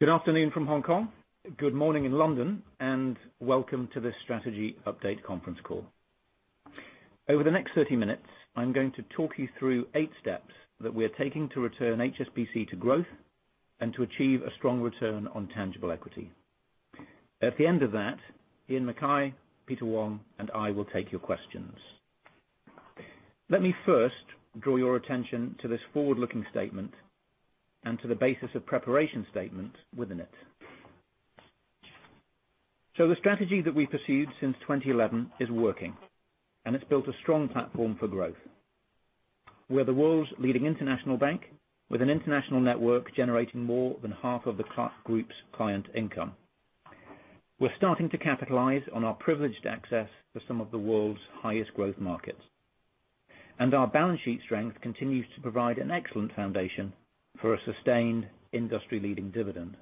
Good afternoon from Hong Kong, good morning in London, and welcome to this strategy update conference call. Over the next 30 minutes, I'm going to talk you through eight steps that we are taking to return HSBC to growth and to achieve a strong return on tangible equity. At the end of that, Iain Mackay, Peter Wong, and I will take your questions. Let me first draw your attention to this forward-looking statement and to the basis of preparation statement within it. The strategy that we pursued since 2011 is working, and it's built a strong platform for growth. We're the world's leading international bank with an international network generating more than half of the group's client income. We're starting to capitalize on our privileged access to some of the world's highest growth markets, and our balance sheet strength continues to provide an excellent foundation for a sustained industry-leading dividend.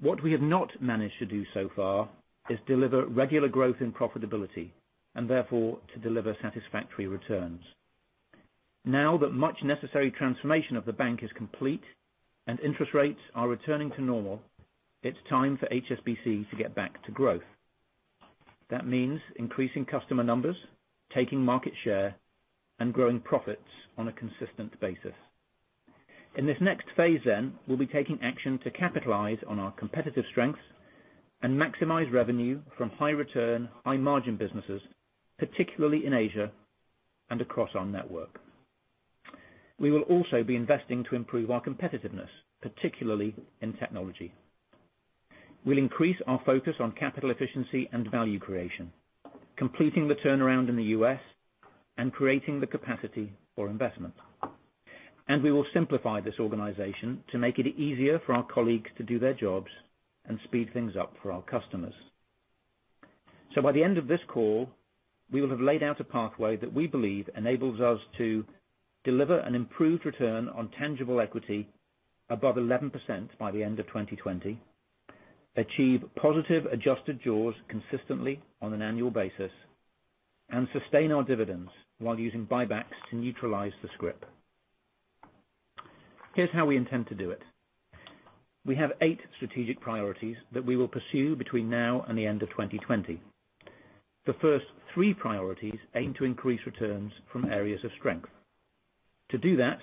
What we have not managed to do so far is deliver regular growth and profitability, and therefore, to deliver satisfactory returns. Now that much necessary transformation of the bank is complete and interest rates are returning to normal, it's time for HSBC to get back to growth. That means increasing customer numbers, taking market share, and growing profits on a consistent basis. In this next phase then, we'll be taking action to capitalize on our competitive strengths and maximize revenue from high-return, high-margin businesses, particularly in Asia and across our network. We will also be investing to improve our competitiveness, particularly in technology. We'll increase our focus on capital efficiency and value creation, completing the turnaround in the U.S. and creating the capacity for investment. We will simplify this organization to make it easier for our colleagues to do their jobs and speed things up for our customers. By the end of this call, we will have laid out a pathway that we believe enables us to deliver an improved return on tangible equity above 11% by the end of 2020, achieve positive adjusted jaws consistently on an annual basis, and sustain our dividends while using buybacks to neutralize the scrip. Here's how we intend to do it. We have eight strategic priorities that we will pursue between now and the end of 2020. The first three priorities aim to increase returns from areas of strength. To do that,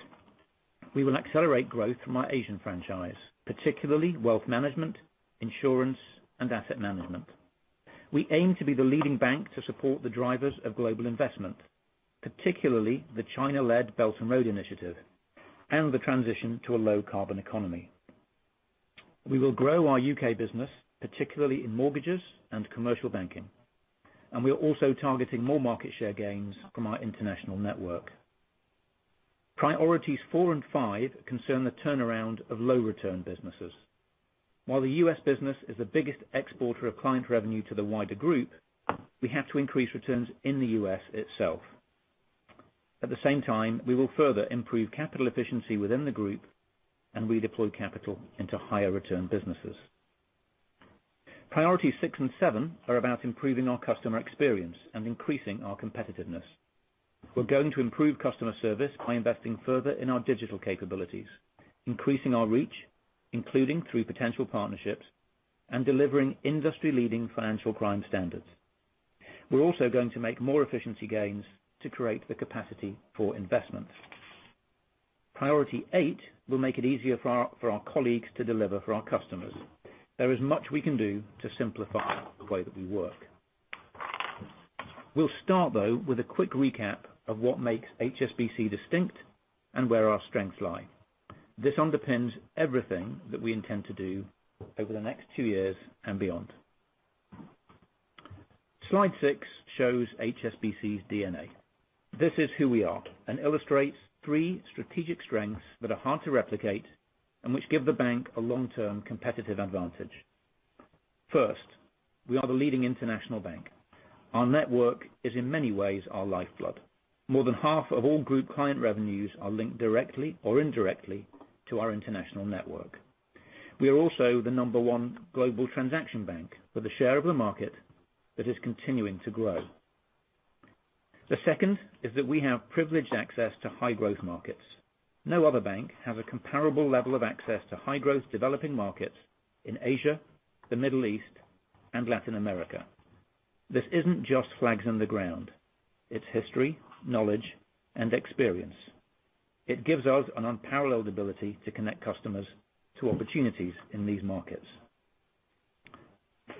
we will accelerate growth from our Asian franchise, particularly wealth management, insurance, and asset management. We aim to be the leading bank to support the drivers of global investment, particularly the China-led Belt and Road Initiative and the transition to a low-carbon economy. We will grow our U.K. business, particularly in mortgages and commercial banking, and we are also targeting more market share gains from our international network. Priorities four and five concern the turnaround of low-return businesses. While the U.S. business is the biggest exporter of client revenue to the wider group, we have to increase returns in the U.S. itself. At the same time, we will further improve capital efficiency within the group and redeploy capital into higher-return businesses. Priorities six and seven are about improving our customer experience and increasing our competitiveness. We're going to improve customer service by investing further in our digital capabilities, increasing our reach, including through potential partnerships, and delivering industry-leading financial crime standards. We're also going to make more efficiency gains to create the capacity for investments. Priority 8 will make it easier for our colleagues to deliver for our customers. There is much we can do to simplify the way that we work. We'll start, though, with a quick recap of what makes HSBC distinct and where our strengths lie. This underpins everything that we intend to do over the next two years and beyond. Slide six shows HSBC's DNA. This is who we are and illustrates three strategic strengths that are hard to replicate and which give the bank a long-term competitive advantage. First, we are the leading international bank. Our network is in many ways our lifeblood. More than half of all group client revenues are linked directly or indirectly to our international network. We are also the number 1 global transaction bank with a share of the market that is continuing to grow. The second is that we have privileged access to high-growth markets. No other bank has a comparable level of access to high-growth developing markets in Asia, the Middle East, and Latin America. This isn't just flags in the ground. It's history, knowledge, and experience. It gives us an unparalleled ability to connect customers to opportunities in these markets.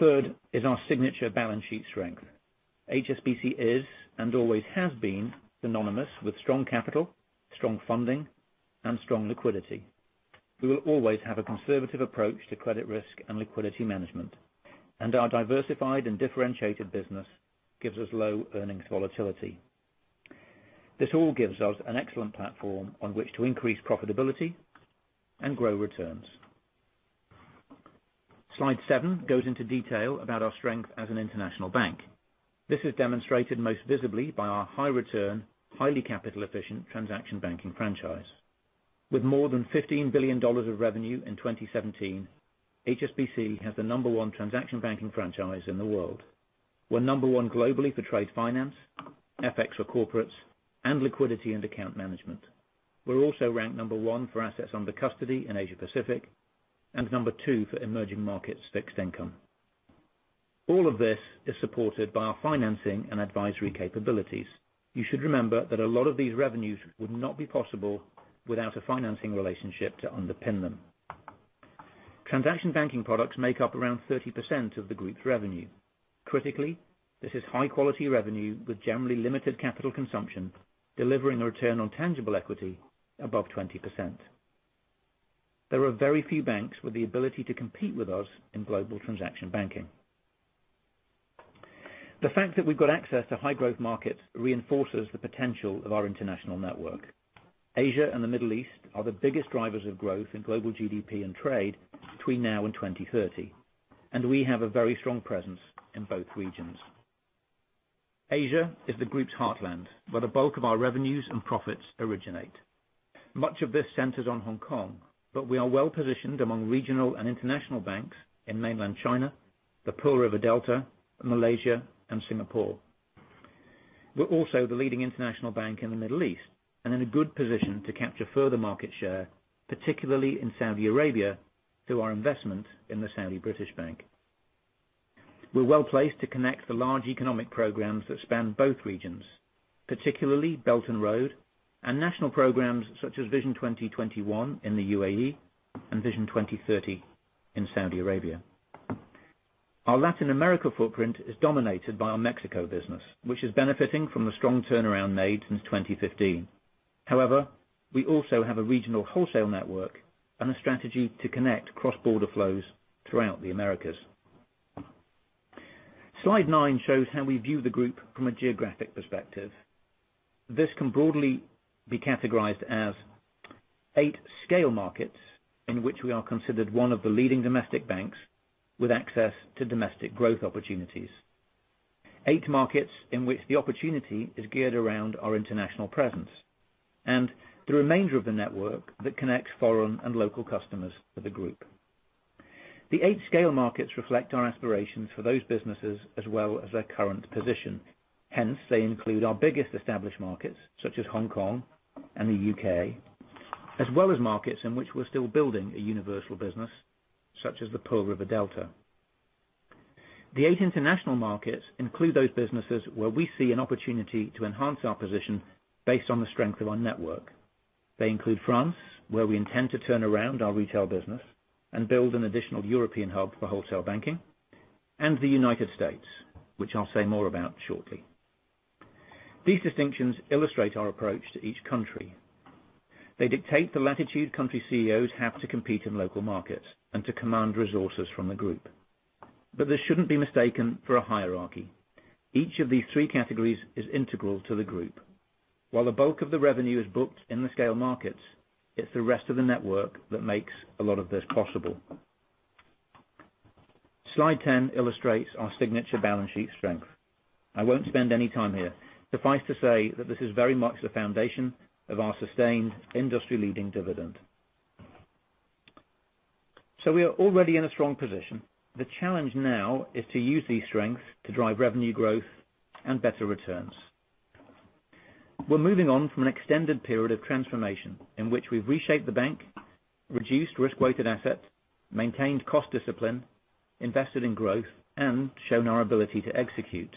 Third is our signature balance sheet strength. HSBC is, and always has been, synonymous with strong capital, strong funding, and strong liquidity. We will always have a conservative approach to credit risk and liquidity management, and our diversified and differentiated business gives us low-earnings volatility. This all gives us an excellent platform on which to increase profitability and grow returns. Slide seven goes into detail about our strength as an international bank. This is demonstrated most visibly by our high-return, highly capital-efficient transaction banking franchise. With more than GBP 15 billion of revenue in 2017, HSBC has the number 1 transaction banking franchise in the world. We're number 1 globally for trade finance, FX for corporates, and liquidity and account management. We're also ranked number 1 for assets under custody in Asia Pacific, and number 2 for emerging markets fixed income. All of this is supported by our financing and advisory capabilities. You should remember that a lot of these revenues would not be possible without a financing relationship to underpin them. Transaction banking products make up around 30% of the group's revenue. Critically, this is high quality revenue with generally limited capital consumption, delivering a return on tangible equity above 20%. There are very few banks with the ability to compete with us in global transaction banking. The fact that we've got access to high growth markets reinforces the potential of our international network. Asia and the Middle East are the biggest drivers of growth in global GDP and trade between now and 2030, and we have a very strong presence in both regions. Asia is the group's heartland, where the bulk of our revenues and profits originate. Much of this centers on Hong Kong, but we are well-positioned among regional and international banks in Mainland China, the Pearl River Delta, Malaysia, and Singapore. We're also the leading international bank in the Middle East, and in a good position to capture further market share, particularly in Saudi Arabia, through our investment in the Saudi British Bank. We're well-placed to connect the large economic programs that span both regions, particularly Belt and Road, and national programs such as Vision 2021 in the UAE, and Vision 2030 in Saudi Arabia. Our Latin America footprint is dominated by our Mexico business, which is benefiting from the strong turnaround made since 2015. However, we also have a regional wholesale network and a strategy to connect cross-border flows throughout the Americas. Slide nine shows how we view the group from a geographic perspective. This can broadly be categorized as eight scale markets in which we are considered one of the leading domestic banks with access to domestic growth opportunities. Eight markets in which the opportunity is geared around our international presence, the remainder of the network that connects foreign and local customers to the group. The eight scale markets reflect our aspirations for those businesses as well as their current position. Hence, they include our biggest established markets, such as Hong Kong and the U.K., as well as markets in which we're still building a universal business, such as the Pearl River Delta. The eight international markets include those businesses where we see an opportunity to enhance our position based on the strength of our network. They include France, where we intend to turn around our retail business and build an additional European hub for wholesale banking, and the United States, which I'll say more about shortly. These distinctions illustrate our approach to each country. They dictate the latitude country CEOs have to compete in local markets and to command resources from the group. This shouldn't be mistaken for a hierarchy. Each of these three categories is integral to the group. While the bulk of the revenue is booked in the scale markets, it's the rest of the network that makes a lot of this possible. Slide 10 illustrates our signature balance sheet strength. I won't spend any time here. Suffice to say that this is very much the foundation of our sustained industry leading dividend. We are already in a strong position. The challenge now is to use these strengths to drive revenue growth and better returns. We're moving on from an extended period of transformation in which we've reshaped the bank, reduced Risk-Weighted Assets, maintained cost discipline, invested in growth, and shown our ability to execute.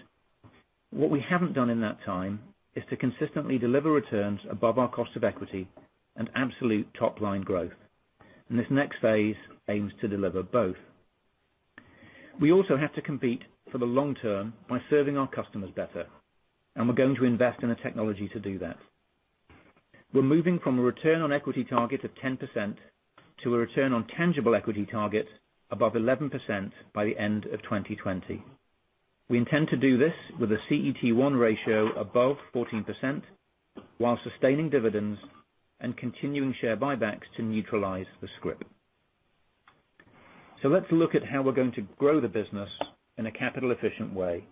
What we haven't done in that time is to consistently deliver returns above our cost of equity and absolute top-line growth. This next phase aims to deliver both. We also have to compete for the long term by serving our customers better, and we're going to invest in the technology to do that. We're moving from a return on equity target of 10% to a return on tangible equity target above 11% by the end of 2020. We intend to do this with a CET1 ratio above 14% while sustaining dividends and continuing share buybacks to neutralize the scrip. Let's look at how we're going to grow the business in a capital efficient way.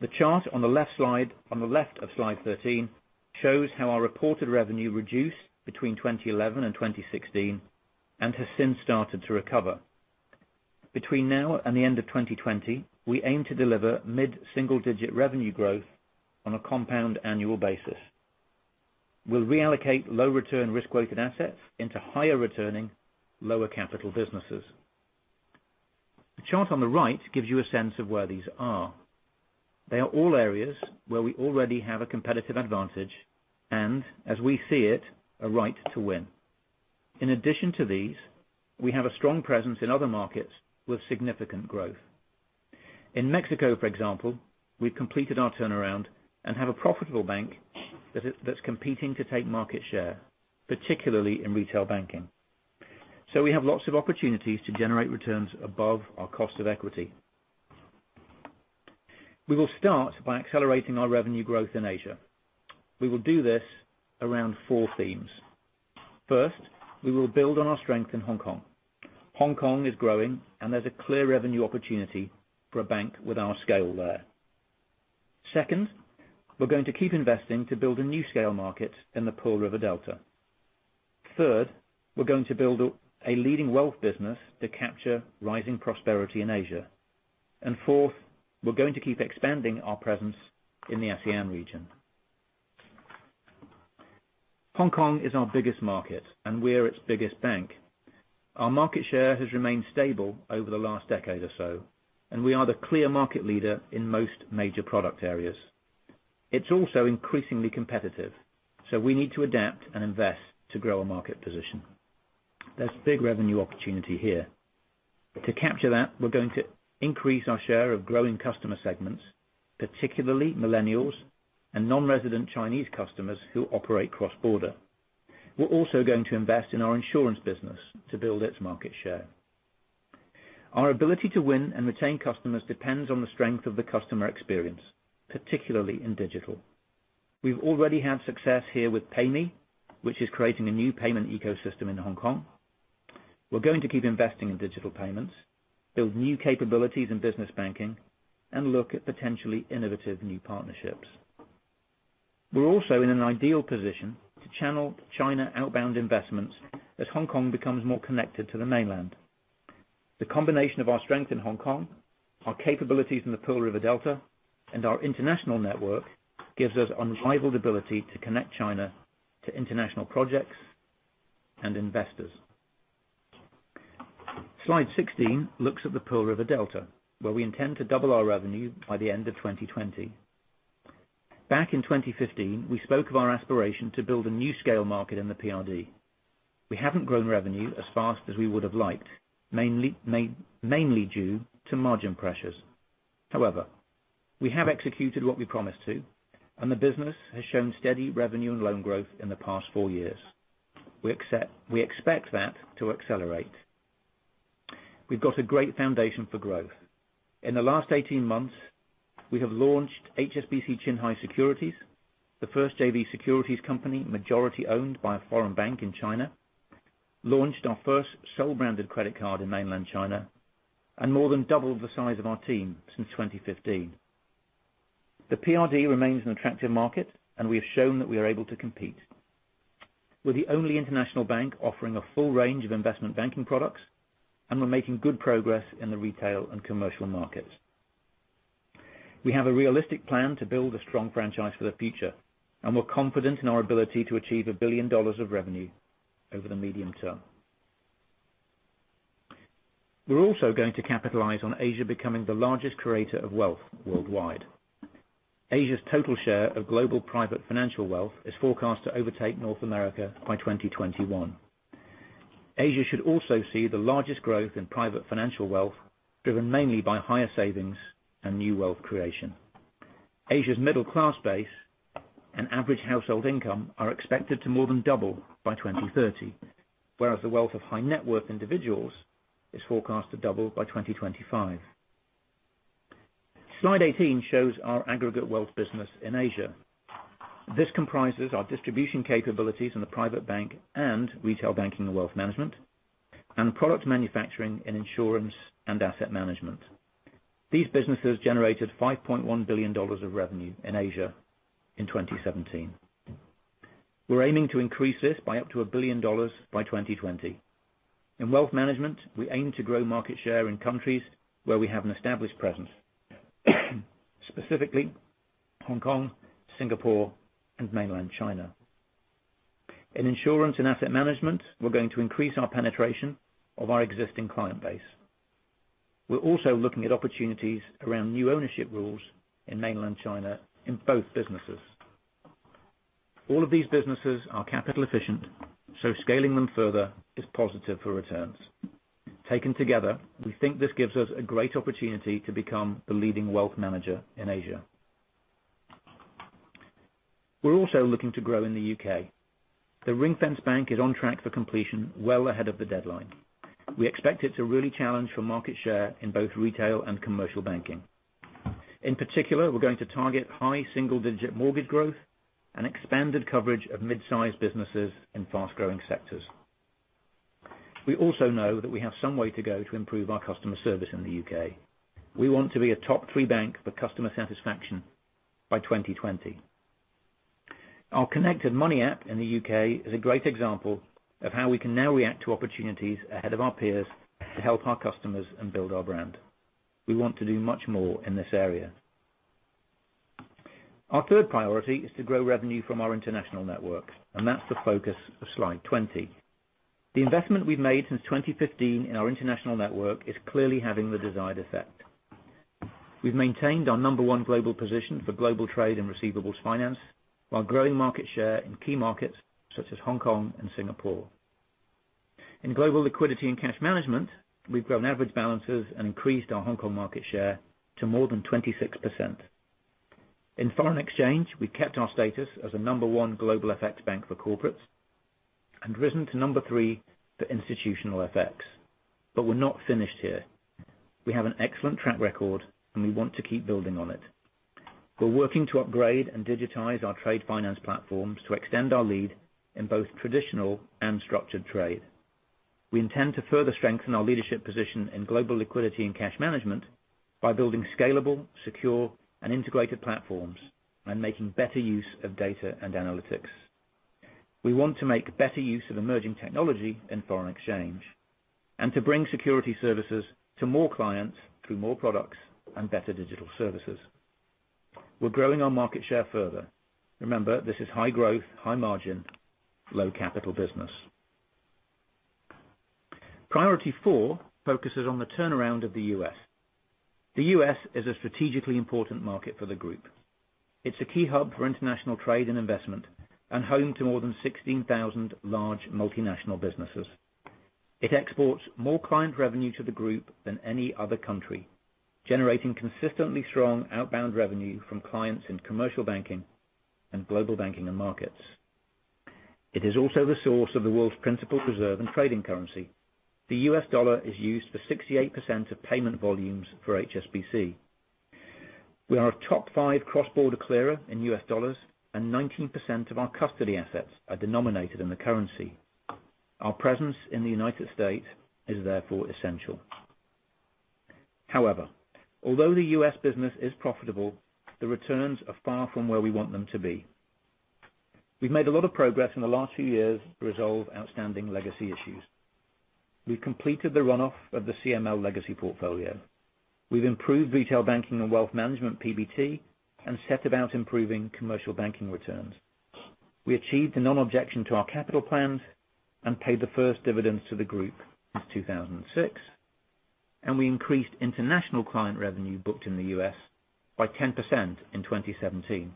The chart on the left slide, on the left of slide 13, shows how our reported revenue reduced between 2011 and 2016, has since started to recover. Between now and the end of 2020, we aim to deliver mid-single-digit revenue growth on a compound annual basis. We'll reallocate low return Risk-Weighted Assets into higher returning, lower capital businesses. The chart on the right gives you a sense of where these are. They are all areas where we already have a competitive advantage and, as we see it, a right to win. In addition to these, we have a strong presence in other markets with significant growth. In Mexico, for example, we've completed our turnaround and have a profitable bank that's competing to take market share, particularly in retail banking. We have lots of opportunities to generate returns above our cost of equity. We will start by accelerating our revenue growth in Asia. We will do this around four themes. First, we will build on our strength in Hong Kong. Hong Kong is growing and there's a clear revenue opportunity for a bank with our scale there. Second, we're going to keep investing to build a new scale market in the Pearl River Delta. Third, we're going to build a leading wealth business to capture rising prosperity in Asia. Fourth, we're going to keep expanding our presence in the ASEAN region. Hong Kong is our biggest market, and we're its biggest bank. Our market share has remained stable over the last decade or so, and we are the clear market leader in most major product areas. It's also increasingly competitive, so we need to adapt and invest to grow our market position. There's big revenue opportunity here. To capture that, we're going to increase our share of growing customer segments, particularly millennials and non-resident Chinese customers who operate cross-border. We're also going to invest in our insurance business to build its market share. Our ability to win and retain customers depends on the strength of the customer experience, particularly in digital. We've already had success here with PayMe, which is creating a new payment ecosystem in Hong Kong. We're going to keep investing in digital payments, build new capabilities in business banking, and look at potentially innovative new partnerships. We're also in an ideal position to channel China outbound investments as Hong Kong becomes more connected to the mainland. The combination of our strength in Hong Kong, our capabilities in the Pearl River Delta, and our international network, gives us unrivaled ability to connect China to international projects and investors. Slide 16 looks at the Pearl River Delta, where we intend to double our revenue by the end of 2020. Back in 2015, we spoke of our aspiration to build a new scale market in the PRD. We haven't grown revenue as fast as we would've liked, mainly due to margin pressures. However, we have executed what we promised to, and the business has shown steady revenue and loan growth in the past four years. We expect that to accelerate. We've got a great foundation for growth. In the last 18 months, we have launched HSBC Qianhai Securities, the first JV securities company, majority owned by a foreign bank in China, launched our first sole-branded credit card in mainland China, and more than doubled the size of our team since 2015. The PRD remains an attractive market, and we have shown that we are able to compete. We're the only international bank offering a full range of investment banking products. We're making good progress in the retail and commercial markets. We have a realistic plan to build a strong franchise for the future. We're confident in our ability to achieve GBP 1 billion of revenue over the medium term. We're also going to capitalize on Asia becoming the largest creator of wealth worldwide. Asia's total share of global private financial wealth is forecast to overtake North America by 2021. Asia should also see the largest growth in private financial wealth, driven mainly by higher savings and new wealth creation. Asia's middle-class base and average household income are expected to more than double by 2030, whereas the wealth of high net worth individuals is forecast to double by 2025. Slide 18 shows our aggregate wealth business in Asia. This comprises our distribution capabilities in the private bank and retail banking and wealth management, and product manufacturing in insurance and asset management. These businesses generated GBP 5.1 billion of revenue in Asia in 2017. We're aiming to increase this by up to GBP 1 billion by 2020. In wealth management, we aim to grow market share in countries where we have an established presence, specifically Hong Kong, Singapore, and mainland China. In insurance and asset management, we're going to increase our penetration of our existing client base. We're also looking at opportunities around new ownership rules in mainland China in both businesses. All of these businesses are capital efficient. Scaling them further is positive for returns. Taken together, we think this gives us a great opportunity to become the leading wealth manager in Asia. We're also looking to grow in the U.K. The ring-fence bank is on track for completion well ahead of the deadline. We expect it to really challenge for market share in both retail and commercial banking. In particular, we're going to target high single-digit mortgage growth and expanded coverage of mid-size businesses in fast-growing sectors. We also know that we have some way to go to improve our customer service in the U.K. We want to be a top three bank for customer satisfaction by 2020. Our Connected Money app in the U.K. is a great example of how we can now react to opportunities ahead of our peers to help our customers and build our brand. We want to do much more in this area. Our third priority is to grow revenue from our international network. That's the focus of slide 20. The investment we've made since 2015 in our international network is clearly having the desired effect. We've maintained our number one global position for global trade and receivables finance while growing market share in key markets such as Hong Kong and Singapore. In global liquidity and cash management, we've grown average balances and increased our Hong Kong market share to more than 26%. In foreign exchange, we kept our status as a number one global FX bank for corporates, and risen to number three for institutional FX. We're not finished here. We have an excellent track record. We want to keep building on it. We're working to upgrade and digitize our trade finance platforms to extend our lead in both traditional and structured trade. We intend to further strengthen our leadership position in global liquidity and cash management by building scalable, secure, and integrated platforms, and making better use of data and analytics. We want to make better use of emerging technology in foreign exchange, and to bring security services to more clients through more products and better digital services. We're growing our market share further. Remember, this is high growth, high margin, low capital business. Priority four focuses on the turnaround of the U.S. The U.S. is a strategically important market for the group. It's a key hub for international trade and investment and home to more than 16,000 large multinational businesses. It exports more client revenue to the group than any other country, generating consistently strong outbound revenue from clients in Commercial Banking and Global Banking and Markets. It is also the source of the world's principal reserve and trading currency. The U.S. dollar is used for 68% of payment volumes for HSBC. We are a top five cross-border clearer in U.S. dollars, and 19% of our custody assets are denominated in the currency. Our presence in the United States is therefore essential. However, although the U.S. business is profitable, the returns are far from where we want them to be. We've made a lot of progress in the last few years to resolve outstanding legacy issues. We've completed the runoff of the CML legacy portfolio. We've improved Retail Banking and Wealth Management PBT, and set about improving Commercial Banking returns. We achieved a non-objection to our capital plans and paid the first dividends to the group since 2006, and we increased international client revenue booked in the U.S. by 10% in 2017.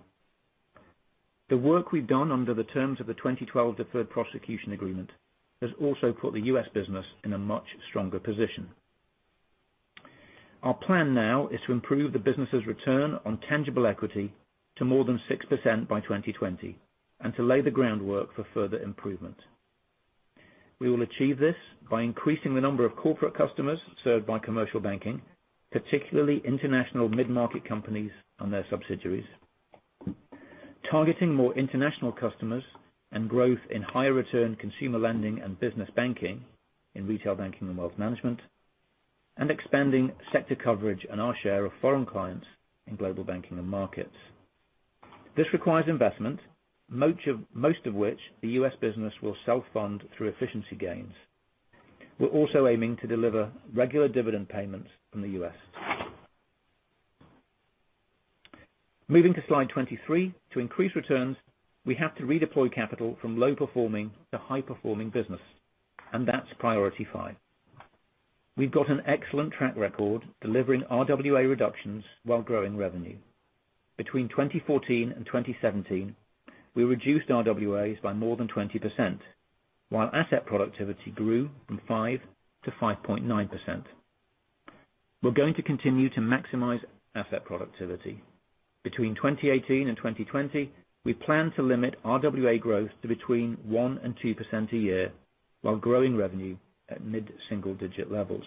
The work we've done under the terms of the 2012 Deferred Prosecution Agreement has also put the U.S. business in a much stronger position. Our plan now is to improve the business' Return on Tangible Equity to more than 6% by 2020, and to lay the groundwork for further improvement. We will achieve this by increasing the number of corporate customers served by Commercial Banking, particularly international mid-market companies and their subsidiaries. Targeting more international customers and growth in higher return consumer lending and business banking in Retail Banking and Wealth Management, and expanding sector coverage and our share of foreign clients in Global Banking and Markets. This requires investment, most of which the U.S. business will self-fund through efficiency gains. We're also aiming to deliver regular dividend payments from the U.S. Moving to slide 23. To increase returns, we have to redeploy capital from low-performing to high-performing business, and that's priority five. We've got an excellent track record delivering RWA reductions while growing revenue. Between 2014 and 2017, we reduced RWAs by more than 20%, while asset productivity grew from 5 to 5.9%. We're going to continue to maximize asset productivity. Between 2018 and 2020, we plan to limit RWA growth to between 1% and 2% a year while growing revenue at mid-single digit levels.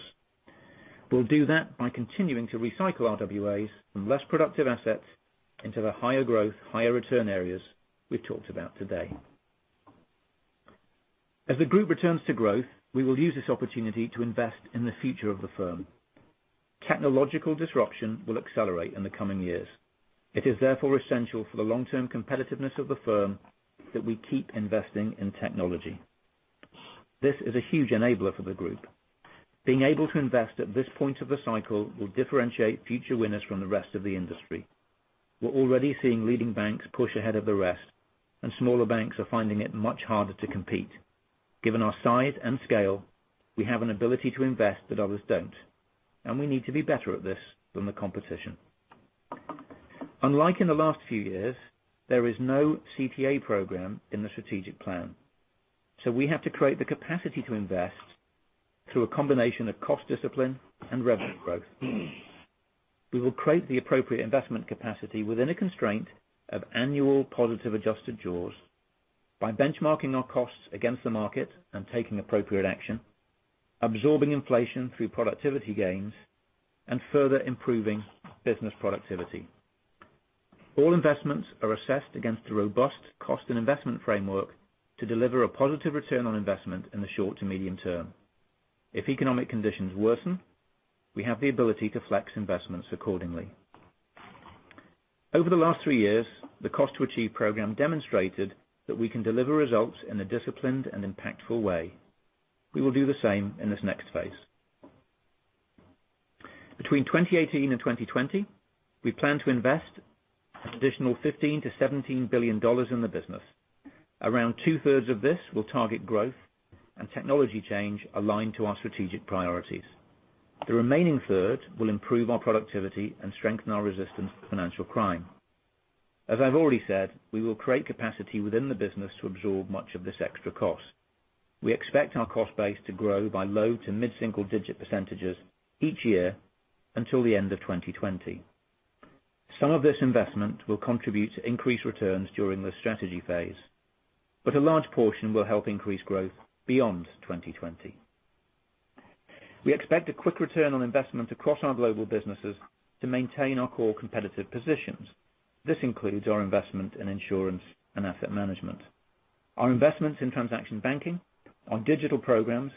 We'll do that by continuing to recycle RWAs from less productive assets into the higher growth, higher return areas we've talked about today. As the group returns to growth, we will use this opportunity to invest in the future of the firm. Technological disruption will accelerate in the coming years. It is therefore essential for the long-term competitiveness of the firm that we keep investing in technology. This is a huge enabler for the group. Being able to invest at this point of the cycle will differentiate future winners from the rest of the industry. We're already seeing leading banks push ahead of the rest, and smaller banks are finding it much harder to compete. Given our size and scale, we have an ability to invest that others don't, and we need to be better at this than the competition. Unlike in the last few years, there is no CTA program in the strategic plan. We have to create the capacity to invest through a combination of cost discipline and revenue growth. We will create the appropriate investment capacity within a constraint of annual positive adjusted jaws by benchmarking our costs against the market and taking appropriate action, absorbing inflation through productivity gains, and further improving business productivity. All investments are assessed against a robust cost and investment framework to deliver a positive return on investment in the short to medium term. If economic conditions worsen, we have the ability to flex investments accordingly. Over the last three years, the cost-to-achieve program demonstrated that we can deliver results in a disciplined and impactful way. We will do the same in this next phase. Between 2018 and 2020, we plan to invest an additional GBP 15 billion-GBP 17 billion in the business. Around two-thirds of this will target growth and technology change aligned to our strategic priorities. The remaining third will improve our productivity and strengthen our resistance to financial crime. As I've already said, we will create capacity within the business to absorb much of this extra cost. We expect our cost base to grow by low to mid-single digit % each year until the end of 2020. Some of this investment will contribute to increased returns during this strategy phase. A large portion will help increase growth beyond 2020. We expect a quick return on investment across our global businesses to maintain our core competitive positions. This includes our investment in insurance and asset management. Our investments in transaction banking, our digital programs,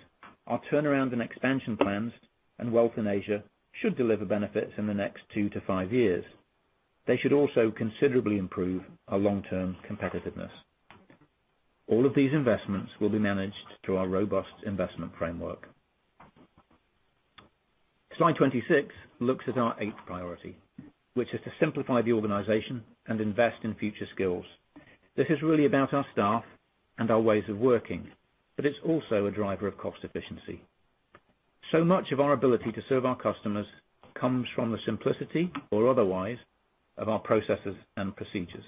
our turnaround and expansion plans, and wealth in Asia should deliver benefits in the next two to five years. They should also considerably improve our long-term competitiveness. All of these investments will be managed through our robust investment framework. Slide 26 looks at our eighth priority, which is to simplify the organization and invest in future skills. This is really about our staff and our ways of working. It's also a driver of cost efficiency. Much of our ability to serve our customers comes from the simplicity or otherwise of our processes and procedures.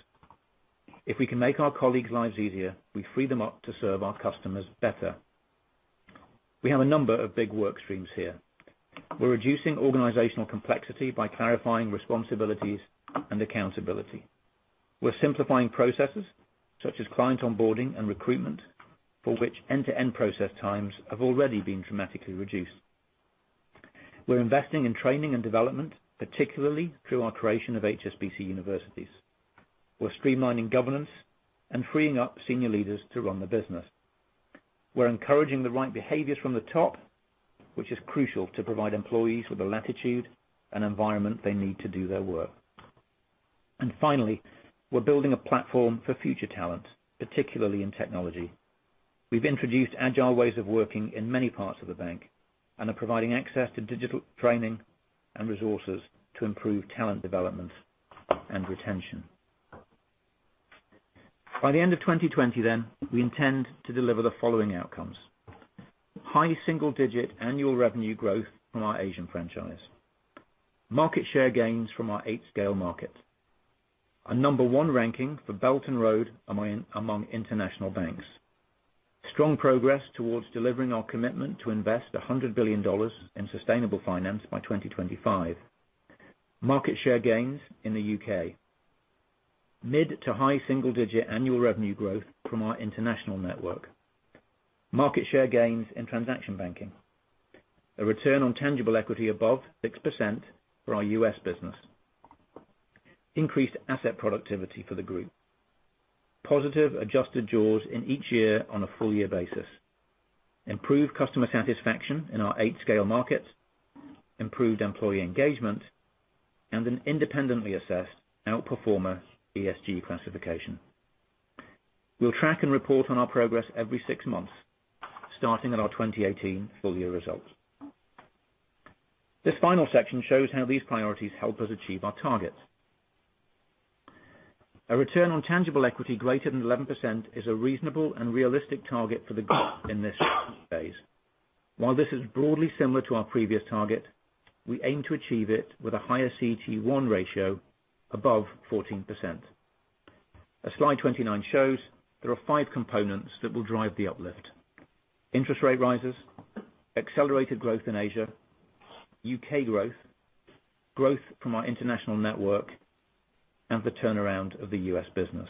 If we can make our colleagues' lives easier, we free them up to serve our customers better. We have a number of big work streams here. We're reducing organizational complexity by clarifying responsibilities and accountability. We're simplifying processes such as client onboarding and recruitment, for which end-to-end process times have already been dramatically reduced. We're investing in training and development, particularly through our creation of HSBC Universities. We're streamlining governance and freeing up senior leaders to run the business. We're encouraging the right behaviors from the top, which is crucial to provide employees with the latitude and environment they need to do their work. Finally, we're building a platform for future talent, particularly in technology. We've introduced agile ways of working in many parts of the bank and are providing access to digital training and resources to improve talent development and retention. By the end of 2020, we intend to deliver the following outcomes. High single-digit annual revenue growth from our Asian franchise. Market share gains from our eight scale markets. A number 1 ranking for Belt and Road among international banks. Strong progress towards delivering our commitment to invest GBP 100 billion in sustainable finance by 2025. Market share gains in the U.K. Mid to high single-digit annual revenue growth from our international network. Market share gains in transaction banking. A return on tangible equity above 6% for our U.S. business. Increased asset productivity for the group. Positive adjusted jaws in each year on a full year basis. Improved customer satisfaction in our eight scale markets, improved employee engagement, and an independently assessed outperformer ESG classification. We'll track and report on our progress every six months, starting at our 2018 full year results. This final section shows how these priorities help us achieve our targets. A return on tangible equity greater than 11% is a reasonable and realistic target for the group in this strategy phase. While this is broadly similar to our previous target, we aim to achieve it with a higher CET1 ratio above 14%. As slide 29 shows, there are five components that will drive the uplift. Interest rate rises, accelerated growth in Asia, U.K. growth from our international network, and the turnaround of the U.S. business.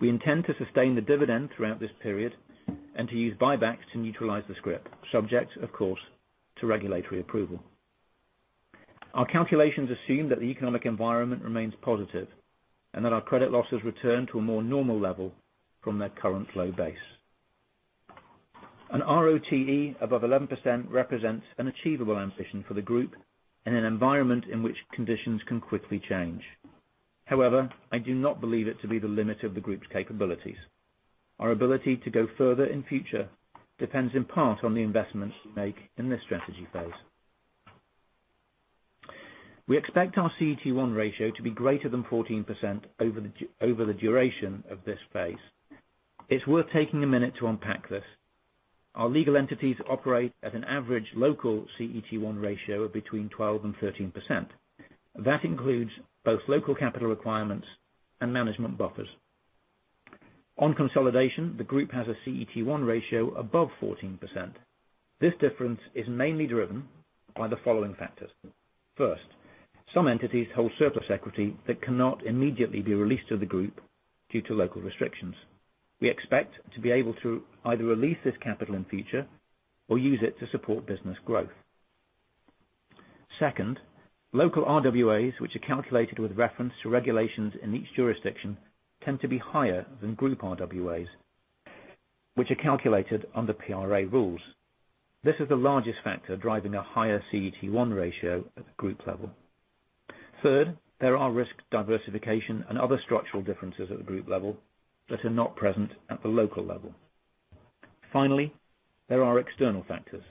We intend to sustain the dividend throughout this period and to use buybacks to neutralize the scrip, subject, of course, to regulatory approval. Our calculations assume that the economic environment remains positive and that our credit losses return to a more normal level from their current low base. An ROTE above 11% represents an achievable ambition for the group in an environment in which conditions can quickly change. I do not believe it to be the limit of the group's capabilities. Our ability to go further in future depends in part on the investments we make in this strategy phase. We expect our CET1 ratio to be greater than 14% over the duration of this phase. It's worth taking a minute to unpack this. Our legal entities operate at an average local CET1 ratio of between 12 and 13%. That includes both local capital requirements and management buffers. On consolidation, the group has a CET1 ratio above 14%. This difference is mainly driven by the following factors. First, some entities hold surplus equity that cannot immediately be released to the group due to local restrictions. We expect to be able to either release this capital in future or use it to support business growth. Second, local RWAs, which are calculated with reference to regulations in each jurisdiction, tend to be higher than group RWAs, which are calculated under PRA rules. This is the largest factor driving a higher CET1 ratio at the group level. Third, there are risk diversification and other structural differences at the group level that are not present at the local level. Finally, there are external factors,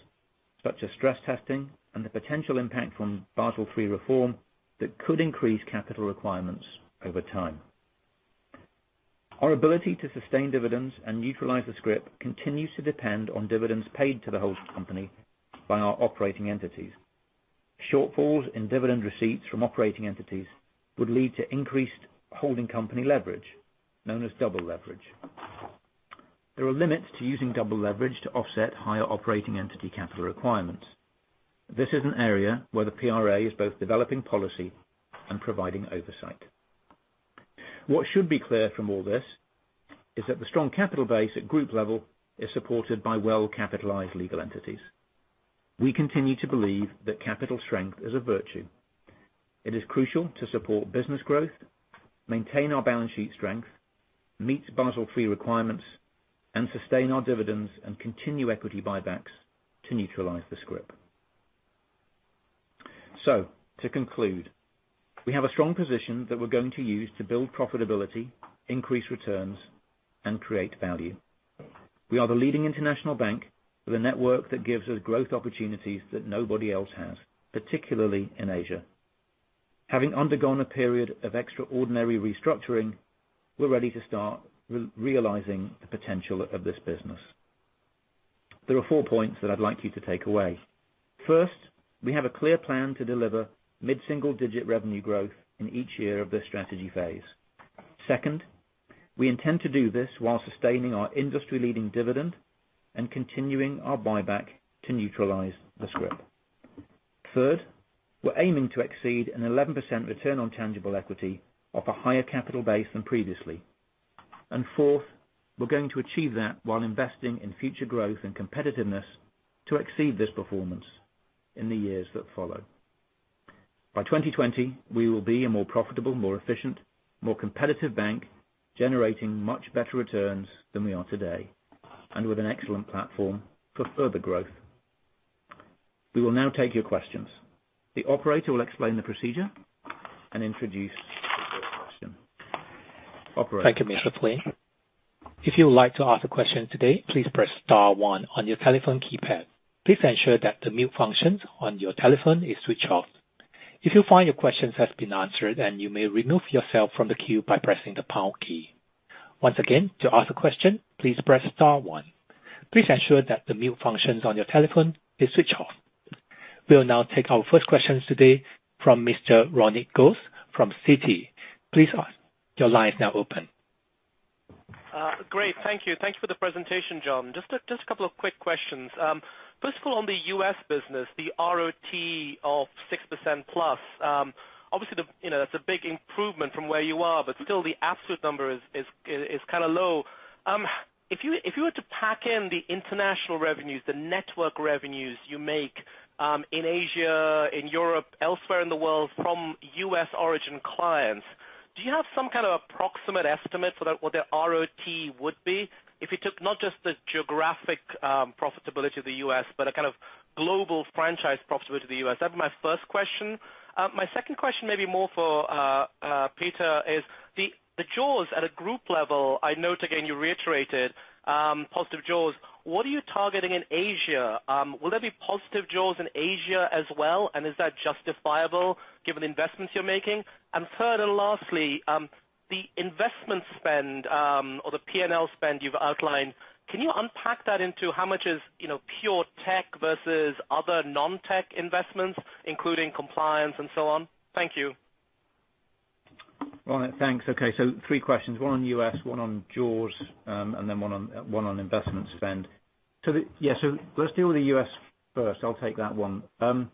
such as stress testing and the potential impact from Basel III reform that could increase capital requirements over time. Our ability to sustain dividends and neutralize the scrip continues to depend on dividends paid to the host company by our operating entities. Shortfalls in dividend receipts from operating entities would lead to increased holding company leverage, known as double leverage. There are limits to using double leverage to offset higher operating entity capital requirements. This is an area where the PRA is both developing policy and providing oversight. What should be clear from all this is that the strong capital base at group level is supported by well-capitalized legal entities. We continue to believe that capital strength is a virtue. It is crucial to support business growth, maintain our balance sheet strength, meet Basel III requirements, and sustain our dividends and continue equity buybacks to neutralize the scrip. To conclude, we have a strong position that we're going to use to build profitability, increase returns, and create value. We are the leading international bank with a network that gives us growth opportunities that nobody else has, particularly in Asia. Having undergone a period of extraordinary restructuring, we're ready to start realizing the potential of this business. There are four points that I'd like you to take away. First, we have a clear plan to deliver mid-single-digit revenue growth in each year of this strategy phase. Second, we intend to do this while sustaining our industry-leading dividend and continuing our buyback to neutralize the scrip. Third, we're aiming to exceed an 11% return on tangible equity off a higher capital base than previously. Fourth, we're going to achieve that while investing in future growth and competitiveness to exceed this performance in the years that follow. By 2020, we will be a more profitable, more efficient, more competitive bank, generating much better returns than we are today, and with an excellent platform for further growth. We will now take your questions. The operator will explain the procedure and introduce the first question. Operator. Thank you, Mr. Flint. If you would like to ask a question today, please press *1 on your telephone keypad. Please ensure that the mute function on your telephone is switched off. If you find your question has been answered, you may remove yourself from the queue by pressing the # key. Once again, to ask a question, please press *1. Please ensure that the mute function on your telephone is switched off. We'll now take our first question today from Mr. Ronit Ghose from Citi. Please ask. Your line is now open. Great. Thank you. Thanks for the presentation, John. Just a couple of quick questions. First of all, on the U.S. business, the ROTE of 6%+. Obviously, that's a big improvement from where you are, but still the absolute number is low. If you were to pack in the international revenues, the network revenues you make in Asia, in Europe, elsewhere in the world from U.S. origin clients, do you have some kind of approximate estimate for what their ROTE would be if you took not just the geographic profitability of the U.S., but a kind of global franchise profitability of the U.S.? That's my first question. My second question may be more for Peter is, the jaws at a group level, I note again, you reiterated positive jaws. What are you targeting in Asia? Will there be positive jaws in Asia as well, and is that justifiable given the investments you're making? Third and lastly, the investment spend, or the P&L spend you've outlined, can you unpack that into how much is pure tech versus other non-tech investments, including compliance and so on? Thank you. Ronit, thanks. Okay. Three questions. One on U.S., one on jaws, one on investment spend. Yeah. Let's deal with the U.S. first. I'll take that one. 6%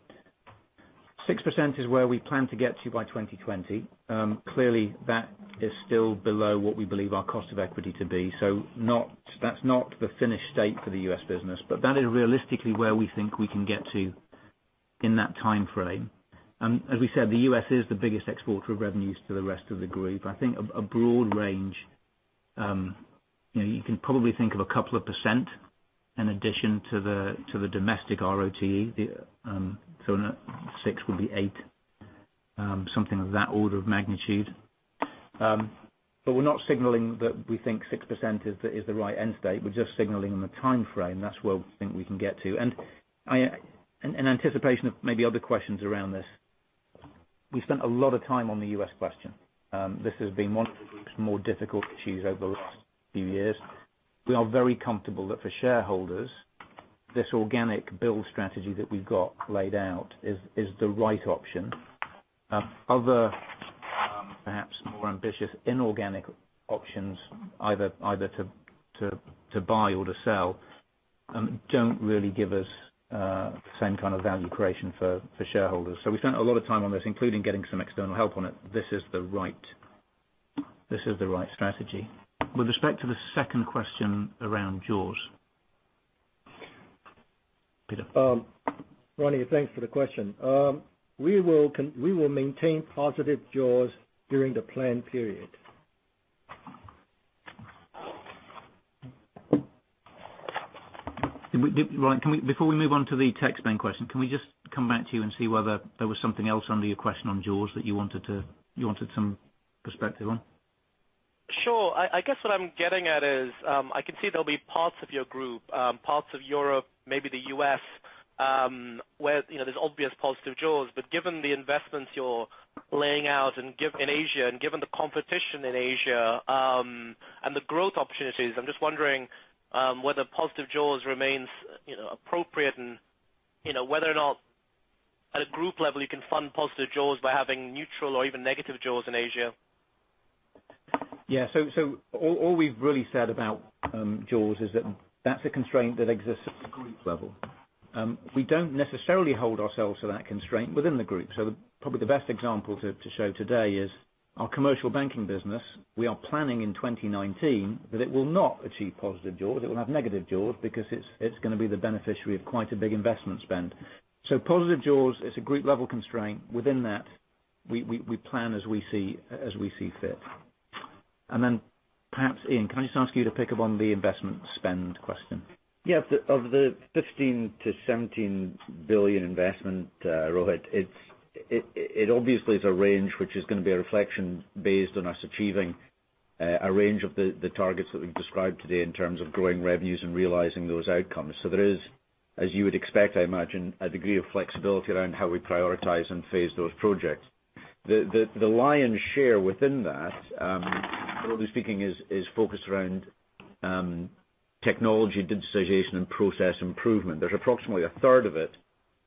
is where we plan to get to by 2020. Clearly, that is still below what we believe our cost of equity to be. That's not the finished state for the U.S. business, but that is realistically where we think we can get to in that timeframe. As we said, the U.S. is the biggest exporter of revenues to the rest of the group. I think a broad range. You can probably think of a couple of percent in addition to the domestic ROTE. So six would be eight. Something of that order of magnitude. But we're not signaling that we think 6% is the right end state. We're just signaling on the timeframe. That's where we think we can get to. In anticipation of maybe other questions around this, we spent a lot of time on the U.S. question. This has been one of the group's more difficult issues over the last few years. We are very comfortable that for shareholders, this organic build strategy that we've got laid out is the right option. Other perhaps more ambitious inorganic options, either to buy or to sell, don't really give us the same kind of value creation for shareholders. We spent a lot of time on this, including getting some external help on it. This is the right strategy. With respect to the second question around jaws. Peter? Ronit, thanks for the question. We will maintain positive jaws during the plan period. Ronit, before we move on to the tech spend question, can we just come back to you and see whether there was something else under your question on jaws that you wanted some perspective on? Sure. I guess what I'm getting at is, I can see there'll be parts of your group, parts of Europe, maybe the U.S., where there's obvious positive jaws. Given the investments you're laying out in Asia, and given the competition in Asia, and the growth opportunities, I'm just wondering whether positive jaws remains appropriate, and whether or not at a group level, you can fund positive jaws by having neutral or even negative jaws in Asia. Yeah. All we've really said about jaws is that that's a constraint that exists at the group level. We don't necessarily hold ourselves to that constraint within the group. Probably the best example to show today is our commercial banking business. We are planning in 2019 that it will not achieve positive jaws. It will have negative jaws because it's going to be the beneficiary of quite a big investment spend. Positive jaws is a group level constraint. Within that, we plan as we see fit. Perhaps, Iain, can I just ask you to pick up on the investment spend question? Yeah. Of the 15 billion-17 billion investment, Ronit, it obviously is a range, which is going to be a reflection based on us achieving a range of the targets that we've described today in terms of growing revenues and realizing those outcomes. There is, as you would expect, I imagine, a degree of flexibility around how we prioritize and phase those projects. The lion's share within that, broadly speaking, is focused around technology digitization and process improvement. There's approximately a third of it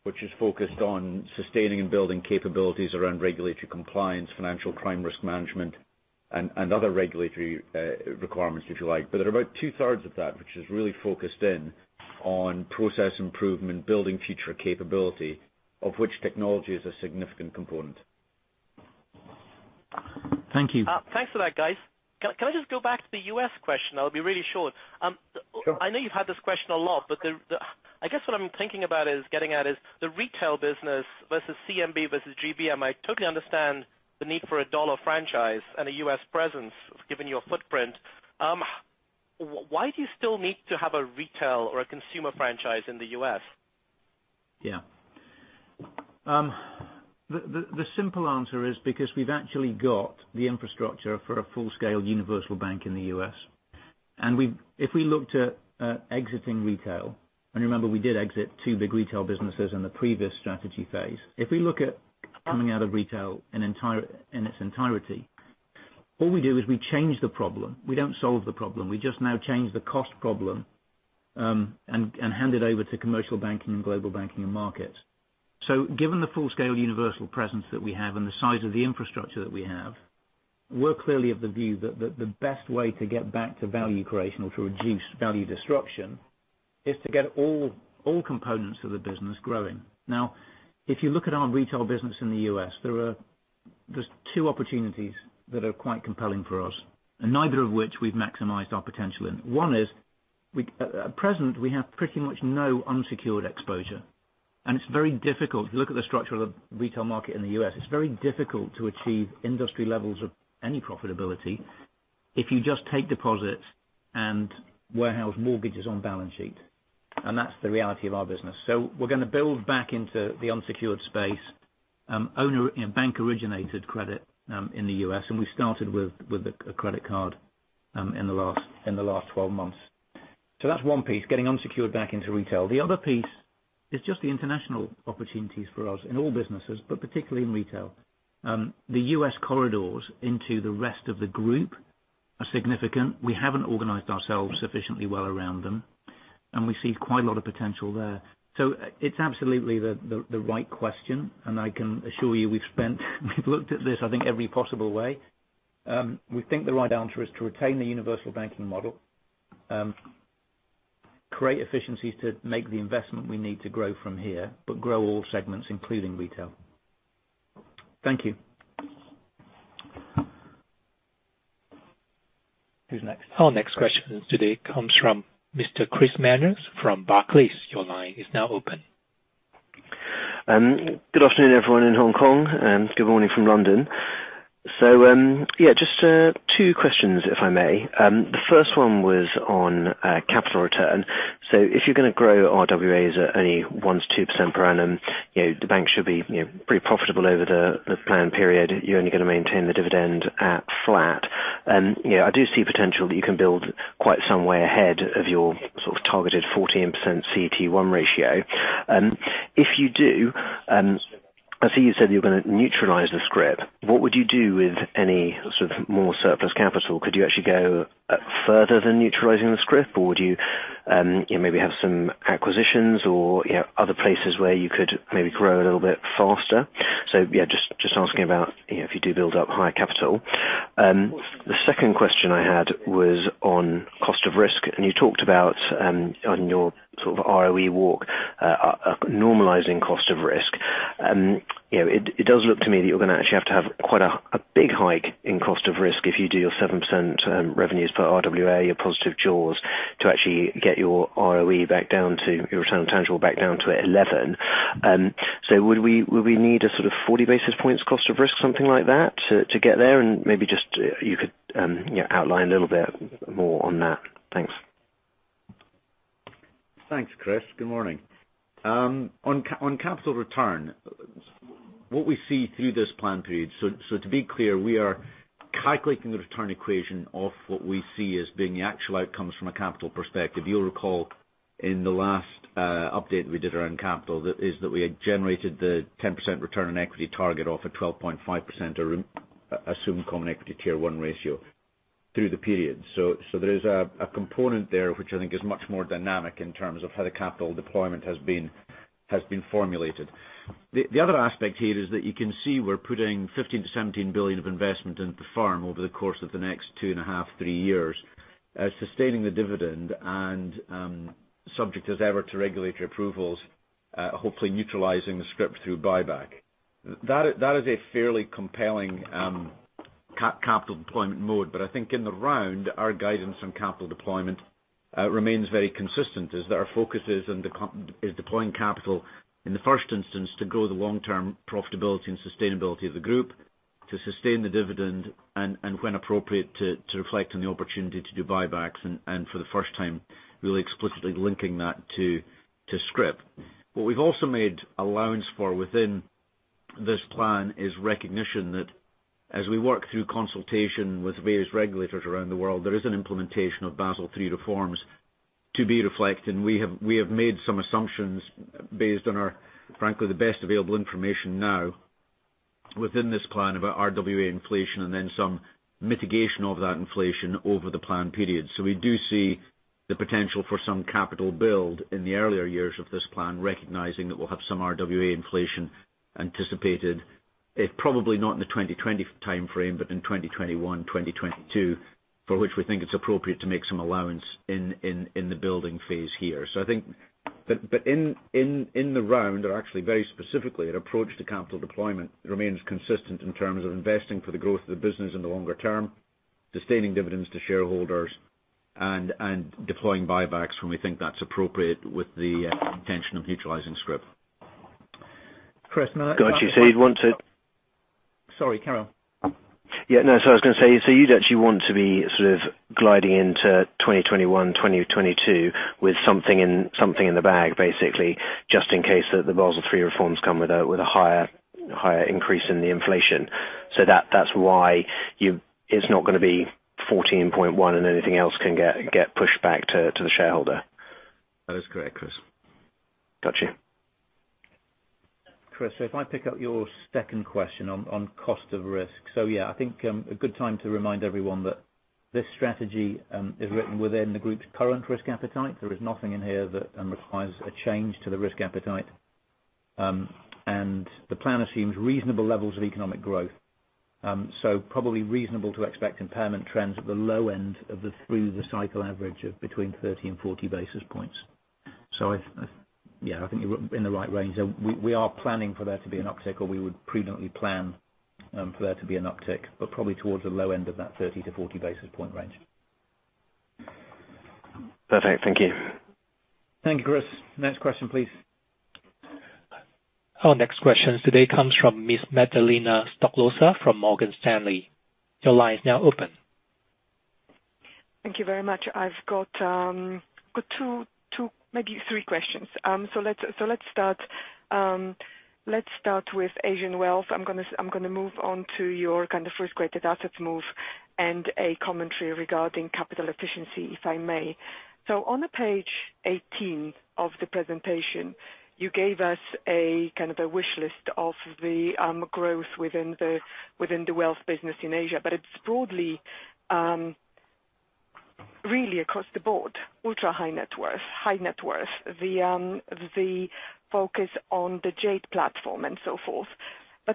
which is focused on sustaining and building capabilities around regulatory compliance, financial crime, risk management, and other regulatory requirements, if you like. There are about two thirds of that, which is really focused in on process improvement, building future capability, of which technology is a significant component. Thank you. Thanks for that, guys. Can I just go back to the U.S. question? I'll be really short. Sure. I know you've had this question a lot. I guess what I'm thinking about is getting at is the retail business versus CMB, versus GBM. I totally understand the need for a dollar franchise and a U.S. presence, given your footprint. Why do you still need to have a retail or a consumer franchise in the U.S.? Yeah. The simple answer is because we've actually got the infrastructure for a full-scale universal bank in the U.S. If we looked at exiting retail, and remember, we did exit two big retail businesses in the previous strategy phase. If we look at coming out of retail in its entirety, all we do is we change the problem. We don't solve the problem. We just now change the cost problem, and hand it over to Commercial Banking and Global Banking and Markets. Given the full scale universal presence that we have and the size of the infrastructure that we have, we're clearly of the view that the best way to get back to value creation or to reduce value disruption is to get all components of the business growing. If you look at our retail business in the U.S., there's two opportunities that are quite compelling for us, and neither of which we've maximized our potential in. One is, at present, we have pretty much no unsecured exposure. It's very difficult. If you look at the structure of the retail market in the U.S., it's very difficult to achieve industry levels of any profitability if you just take deposits and warehouse mortgages on balance sheet. That's the reality of our business. We're going to build back into the unsecured space, bank originated credit in the U.S. We started with a credit card in the last 12 months. That's one piece, getting unsecured back into retail. The other piece is just the international opportunities for us in all businesses, but particularly in retail. The U.S. corridors into the rest of the group are significant. We haven't organized ourselves sufficiently well around them, we see quite a lot of potential there. It's absolutely the right question, and I can assure you we've looked at this, I think, every possible way. We think the right answer is to retain the universal banking model, create efficiencies to make the investment we need to grow from here, but grow all segments, including retail. Thank you. Who's next? Our next question today comes from Mr. Chris Manners from Barclays. Your line is now open. Good afternoon, everyone in Hong Kong, and good morning from London. Yeah, just two questions, if I may. The first one was on capital return. If you're going to grow RWAs at only 1-2% per annum, the bank should be pretty profitable over the planned period. You're only going to maintain the dividend at flat. I do see potential that you can build quite some way ahead of your targeted 14% CET1 ratio. If you do, I see you said you're going to neutralize the scrip. What would you do with any more surplus capital? Could you actually go further than neutralizing the scrip, or would you maybe have some acquisitions or other places where you could maybe grow a little bit faster? Yeah, just asking about if you do build up higher capital. The second question I had was on cost of risk. You talked about on your ROE walk, normalizing cost of risk. It does look to me that you're going to actually have to have quite a big hike in cost of risk if you do your 7% revenues per RWA, your positive jaws, to actually get your ROE back down to your return on tangible back down to 11%. Would we need a sort of 40 basis points cost of risk, something like that to get there? Maybe just you could outline a little bit more on that. Thanks. Thanks, Chris Manners. Good morning. On capital return, what we see through this plan period. To be clear, we are calculating the return equation off what we see as being the actual outcomes from a capital perspective. You'll recall in the last update we did around capital is that we had generated the 10% return on equity target off a 12.5% assumed Common Equity Tier 1 ratio through the period. There is a component there which I think is much more dynamic in terms of how the capital deployment has been formulated. The other aspect here is that you can see we're putting 15 billion-17 billion of investment into the firm over the course of the next 2.5, 3 years, sustaining the dividend, and subject as ever to regulatory approvals, hopefully neutralizing the scrip through buyback. That is a fairly compelling capital deployment mode. I think in the round, our guidance on capital deployment remains very consistent, is that our focus is deploying capital in the first instance to grow the long-term profitability and sustainability of the group, to sustain the dividend, and when appropriate, to reflect on the opportunity to do buybacks, and for the first time, really explicitly linking that to scrip. What we've also made allowance for within this plan is recognition that as we work through consultation with various regulators around the world, there is an implementation of Basel III reforms to be reflected, and we have made some assumptions based on, frankly, the best available information now within this plan about RWA inflation and then some mitigation of that inflation over the plan period. We do see the potential for some capital build in the earlier years of this plan, recognizing that we'll have some RWA inflation anticipated, if probably not in the 2020 timeframe, but in 2021, 2022, for which we think it's appropriate to make some allowance in the building phase here. In the round, or actually very specifically, an approach to capital deployment remains consistent in terms of investing for the growth of the business in the longer term, sustaining dividends to shareholders, and deploying buybacks when we think that's appropriate with the intention of neutralizing scrip. Chris. Got you. Sorry, carry on. Yeah, no, I was going to say, you'd actually want to be sort of gliding into 2021, 2022 with something in the bag, basically, just in case the Basel III reforms come with a higher increase in the inflation. That's why it's not going to be 14.1 and anything else can get pushed back to the shareholder. That is correct, Chris. Got you. Chris, if I pick up your second question on cost of risk. Yeah, I think a good time to remind everyone that this strategy is written within the group's current risk appetite. There is nothing in here that requires a change to the risk appetite. The plan assumes reasonable levels of economic growth. Probably reasonable to expect impairment trends at the low end of the through the cycle average of between 30 and 40 basis points. Yeah, I think you're in the right range. We are planning for there to be an uptick, or we would prudently plan for there to be an uptick, but probably towards the low end of that 30 to 40 basis point range. Perfect. Thank you. Thank you, Chris. Next question, please. Our next question today comes from Ms. Magdalena Stoklosa from Morgan Stanley. Your line is now open. Thank you very much. I've got two, maybe three questions. Let's start with Asian wealth. I'm going to move on to your kind of Risk-Weighted Assets move and a commentary regarding capital efficiency, if I may. On page 18 of the presentation, you gave us a kind of a wish list of the growth within the wealth business in Asia. It's broadly, really across the board, ultra high net worth, the focus on the Jade platform and so forth.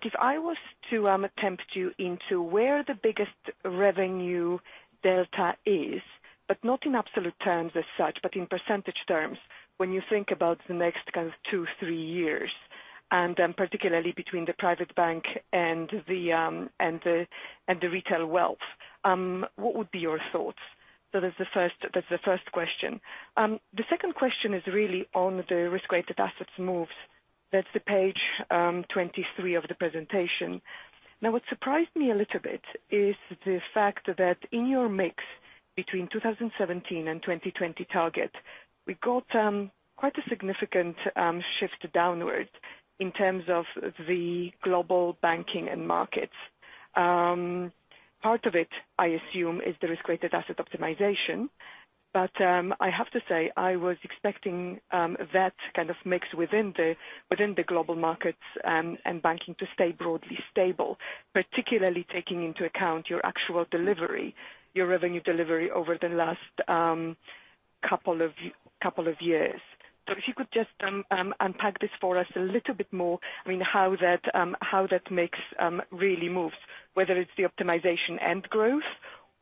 If I was to attempt you into where the biggest revenue delta is, but not in absolute terms as such, but in percentage terms, when you think about the next kind of two, three years, and then particularly between the private bank and the retail wealth, what would be your thoughts? That's the first question. The second question is really on the Risk-Weighted Assets moves. That is page 23 of the presentation. What surprised me a little bit is the fact that in your mix between 2017 and 2020 target, we got quite a significant shift downward in terms of the Global Banking and Markets. Part of it, I assume, is the Risk-Weighted Asset optimization. I have to say, I was expecting that kind of mix within the Global Markets and Banking to stay broadly stable, particularly taking into account your actual delivery, your revenue delivery over the last couple of years. If you could just unpack this for us a little bit more, I mean, how that mix really moves, whether it's the optimization and growth,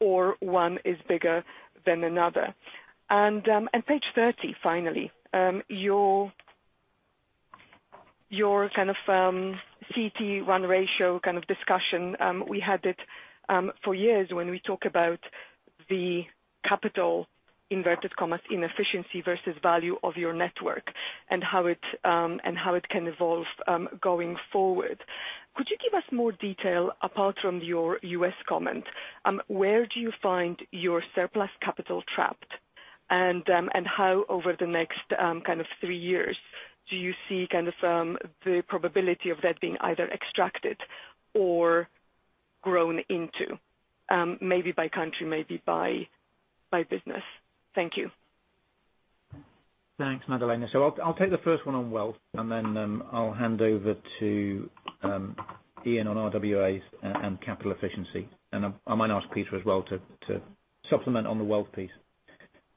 or one is bigger than another. Page 30, finally. Your kind of CET1 ratio kind of discussion. We had it for years when we talk about the capital, inverted commas, inefficiency versus value of your network and how it can evolve going forward. Could you give us more detail apart from your U.S. comment? Where do you find your surplus capital trapped? How over the next kind of three years, do you see the probability of that being either extracted or grown into, maybe by country, maybe by business? Thank you. Thanks, Magdalena. I'll take the first one on wealth, and then I'll hand over to Iain on RWAs and capital efficiency. I might ask Peter as well to supplement on the wealth piece.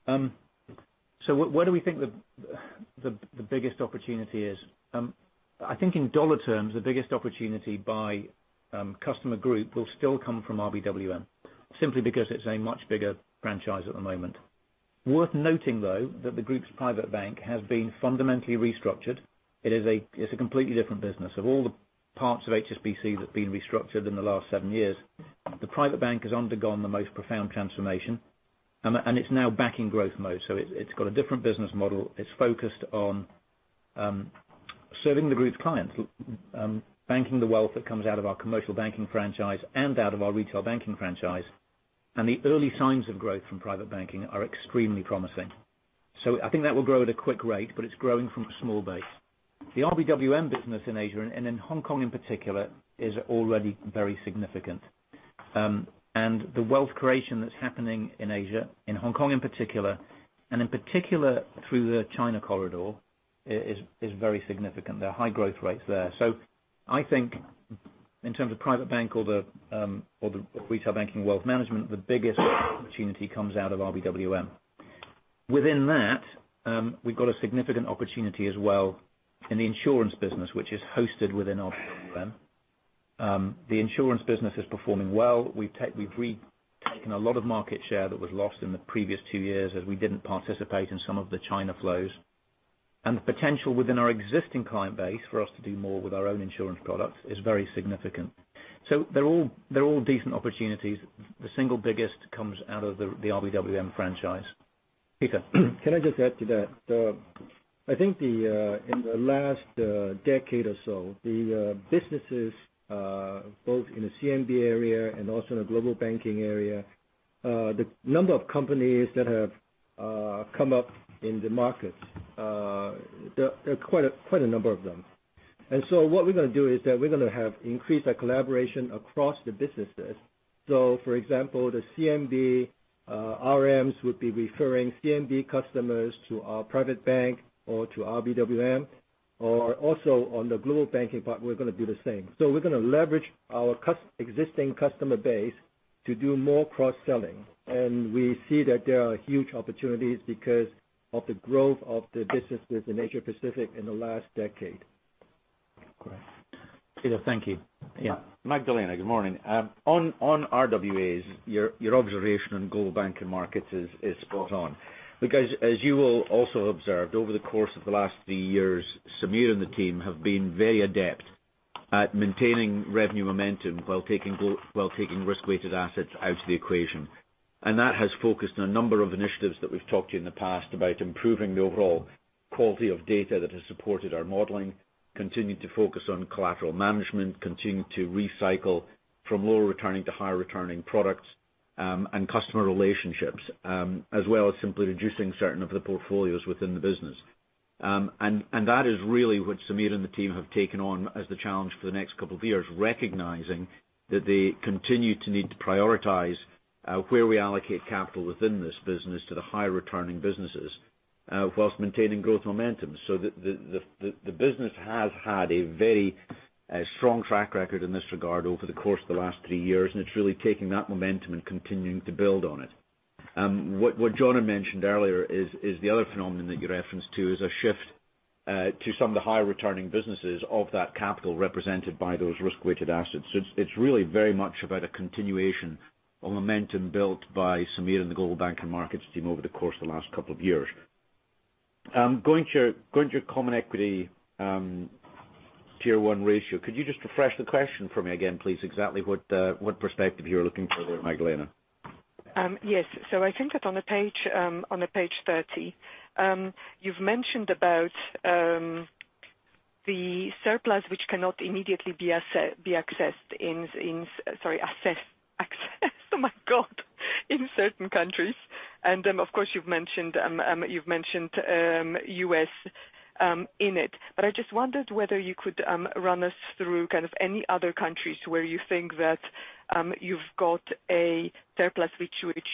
Where do we think the biggest opportunity is? I think in dollar terms, the biggest opportunity by customer group will still come from RBWM, simply because it's a much bigger franchise at the moment. Worth noting, though, that the group's private bank has been fundamentally restructured. It's a completely different business. Of all the parts of HSBC that have been restructured in the last seven years, the private bank has undergone the most profound transformation, and it's now back in growth mode. It's got a different business model. It's focused on serving the group's clients, banking the wealth that comes out of our Commercial Banking franchise and out of our Retail Banking franchise. The early signs of growth from private banking are extremely promising. I think that will grow at a quick rate, but it's growing from a small base. The RBWM business in Asia, and in Hong Kong in particular, is already very significant. The wealth creation that's happening in Asia, in Hong Kong in particular, and in particular through the China corridor, is very significant. There are high growth rates there. I think in terms of private bank or the retail banking wealth management, the biggest opportunity comes out of RBWM. Within that, we've got a significant opportunity as well in the insurance business, which is hosted within RBWM. The insurance business is performing well. We've retaken a lot of market share that was lost in the previous two years as we didn't participate in some of the China flows. The potential within our existing client base for us to do more with our own insurance products is very significant. They're all decent opportunities. The single biggest comes out of the RBWM franchise. Peter? Can I just add to that? I think in the last decade or so, the businesses, both in the CMB area and also in the global banking area, the number of companies that have come up in the markets, there are quite a number of them. What we're going to do is that we're going to have increased our collaboration across the businesses. For example, the CMB RMs would be referring CMB customers to our private bank or to RBWM, or also on the global banking part, we're going to do the same. We're going to leverage our existing customer base to do more cross-selling. We see that there are huge opportunities because of the growth of the businesses in Asia Pacific in the last decade. Great. Peter, thank you. Yeah. Magdalena, good morning. On RWAs, your observation on global bank and markets is spot on. As you will also observed over the course of the last three years, Samir and the team have been very adept at maintaining revenue momentum while taking Risk-Weighted Assets out of the equation. That has focused on a number of initiatives that we've talked to you in the past about improving the overall quality of data that has supported our modeling, continuing to focus on collateral management, continuing to recycle from lower returning to higher returning products, and customer relationships, as well as simply reducing certain of the portfolios within the business. That is really what Samir and the team have taken on as the challenge for the next couple of years, recognizing that they continue to need to prioritize where we allocate capital within this business to the higher returning businesses, whilst maintaining growth momentum. The business has had a very strong track record in this regard over the course of the last three years, and it's really taking that momentum and continuing to build on it. What John mentioned earlier is the other phenomenon that you referenced to, is a shift to some of the higher returning businesses of that capital represented by those Risk-Weighted Assets. It's really very much about a continuation of momentum built by Samir and the Global Banking Markets team over the course of the last couple of years. Going to your Common Equity Tier 1 ratio, could you just refresh the question for me again, please? Exactly what perspective you're looking for there, Magdalena? Yes. I think that on page 30, you've mentioned about the surplus, which cannot immediately be accessed in certain countries. Then, of course, you've mentioned U.S. in it. I just wondered whether you could run us through any other countries where you think that you've got a surplus, which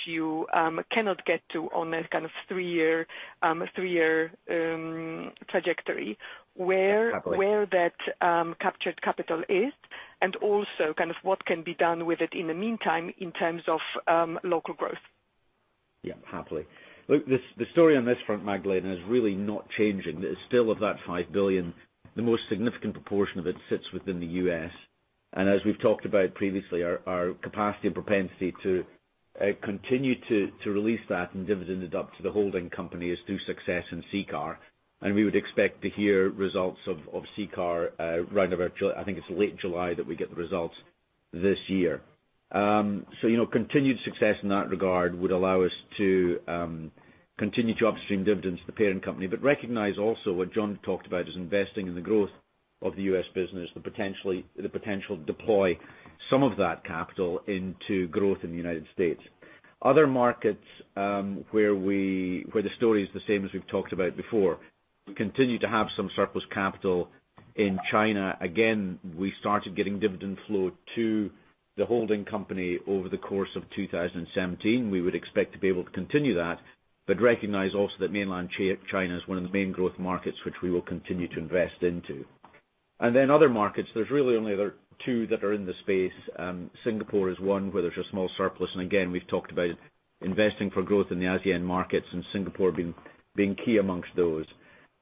you cannot get to on a three-year trajectory. Where- Happily where that captured capital is and also what can be done with it in the meantime in terms of local growth. Happily. The story on this front, Magdalena, is really not changing. It's still of that 5 billion. The most significant proportion of it sits within the U.S. As we've talked about previously, our capacity and propensity to continue to release that and dividend it up to the holding company is through success in CCAR. We would expect to hear results of CCAR around about, I think it's late July that we get the results this year. Continued success in that regard would allow us to continue to upstream dividends to the parent company. Recognize also what John talked about is investing in the growth of the U.S. business, the potential to deploy some of that capital into growth in the United States. Other markets where the story is the same as we've talked about before. We continue to have some surplus capital in China. We started getting dividend flow to the holding company over the course of 2017. We would expect to be able to continue that, recognize also that mainland China is one of the main growth markets which we will continue to invest into. Other markets, there's really only other two that are in the space. Singapore is one where there's a small surplus, we've talked about investing for growth in the ASEAN markets and Singapore being key amongst those.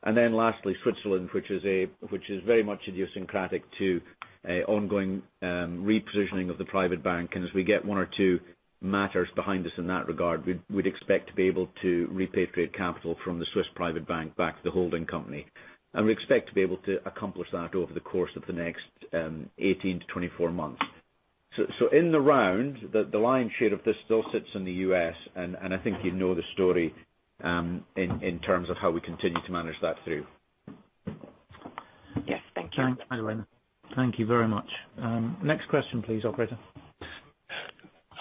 Lastly, Switzerland, which is very much idiosyncratic to an ongoing repositioning of the private bank. As we get one or two matters behind us in that regard, we'd expect to be able to repatriate capital from the Swiss private bank back to the holding company. We expect to be able to accomplish that over the course of the next 18 to 24 months. In the round, the lion's share of this still sits in the U.S., I think you know the story, in terms of how we continue to manage that through. Yes. Thank you. Thanks, Magdalena. Thank you very much. Next question please, operator.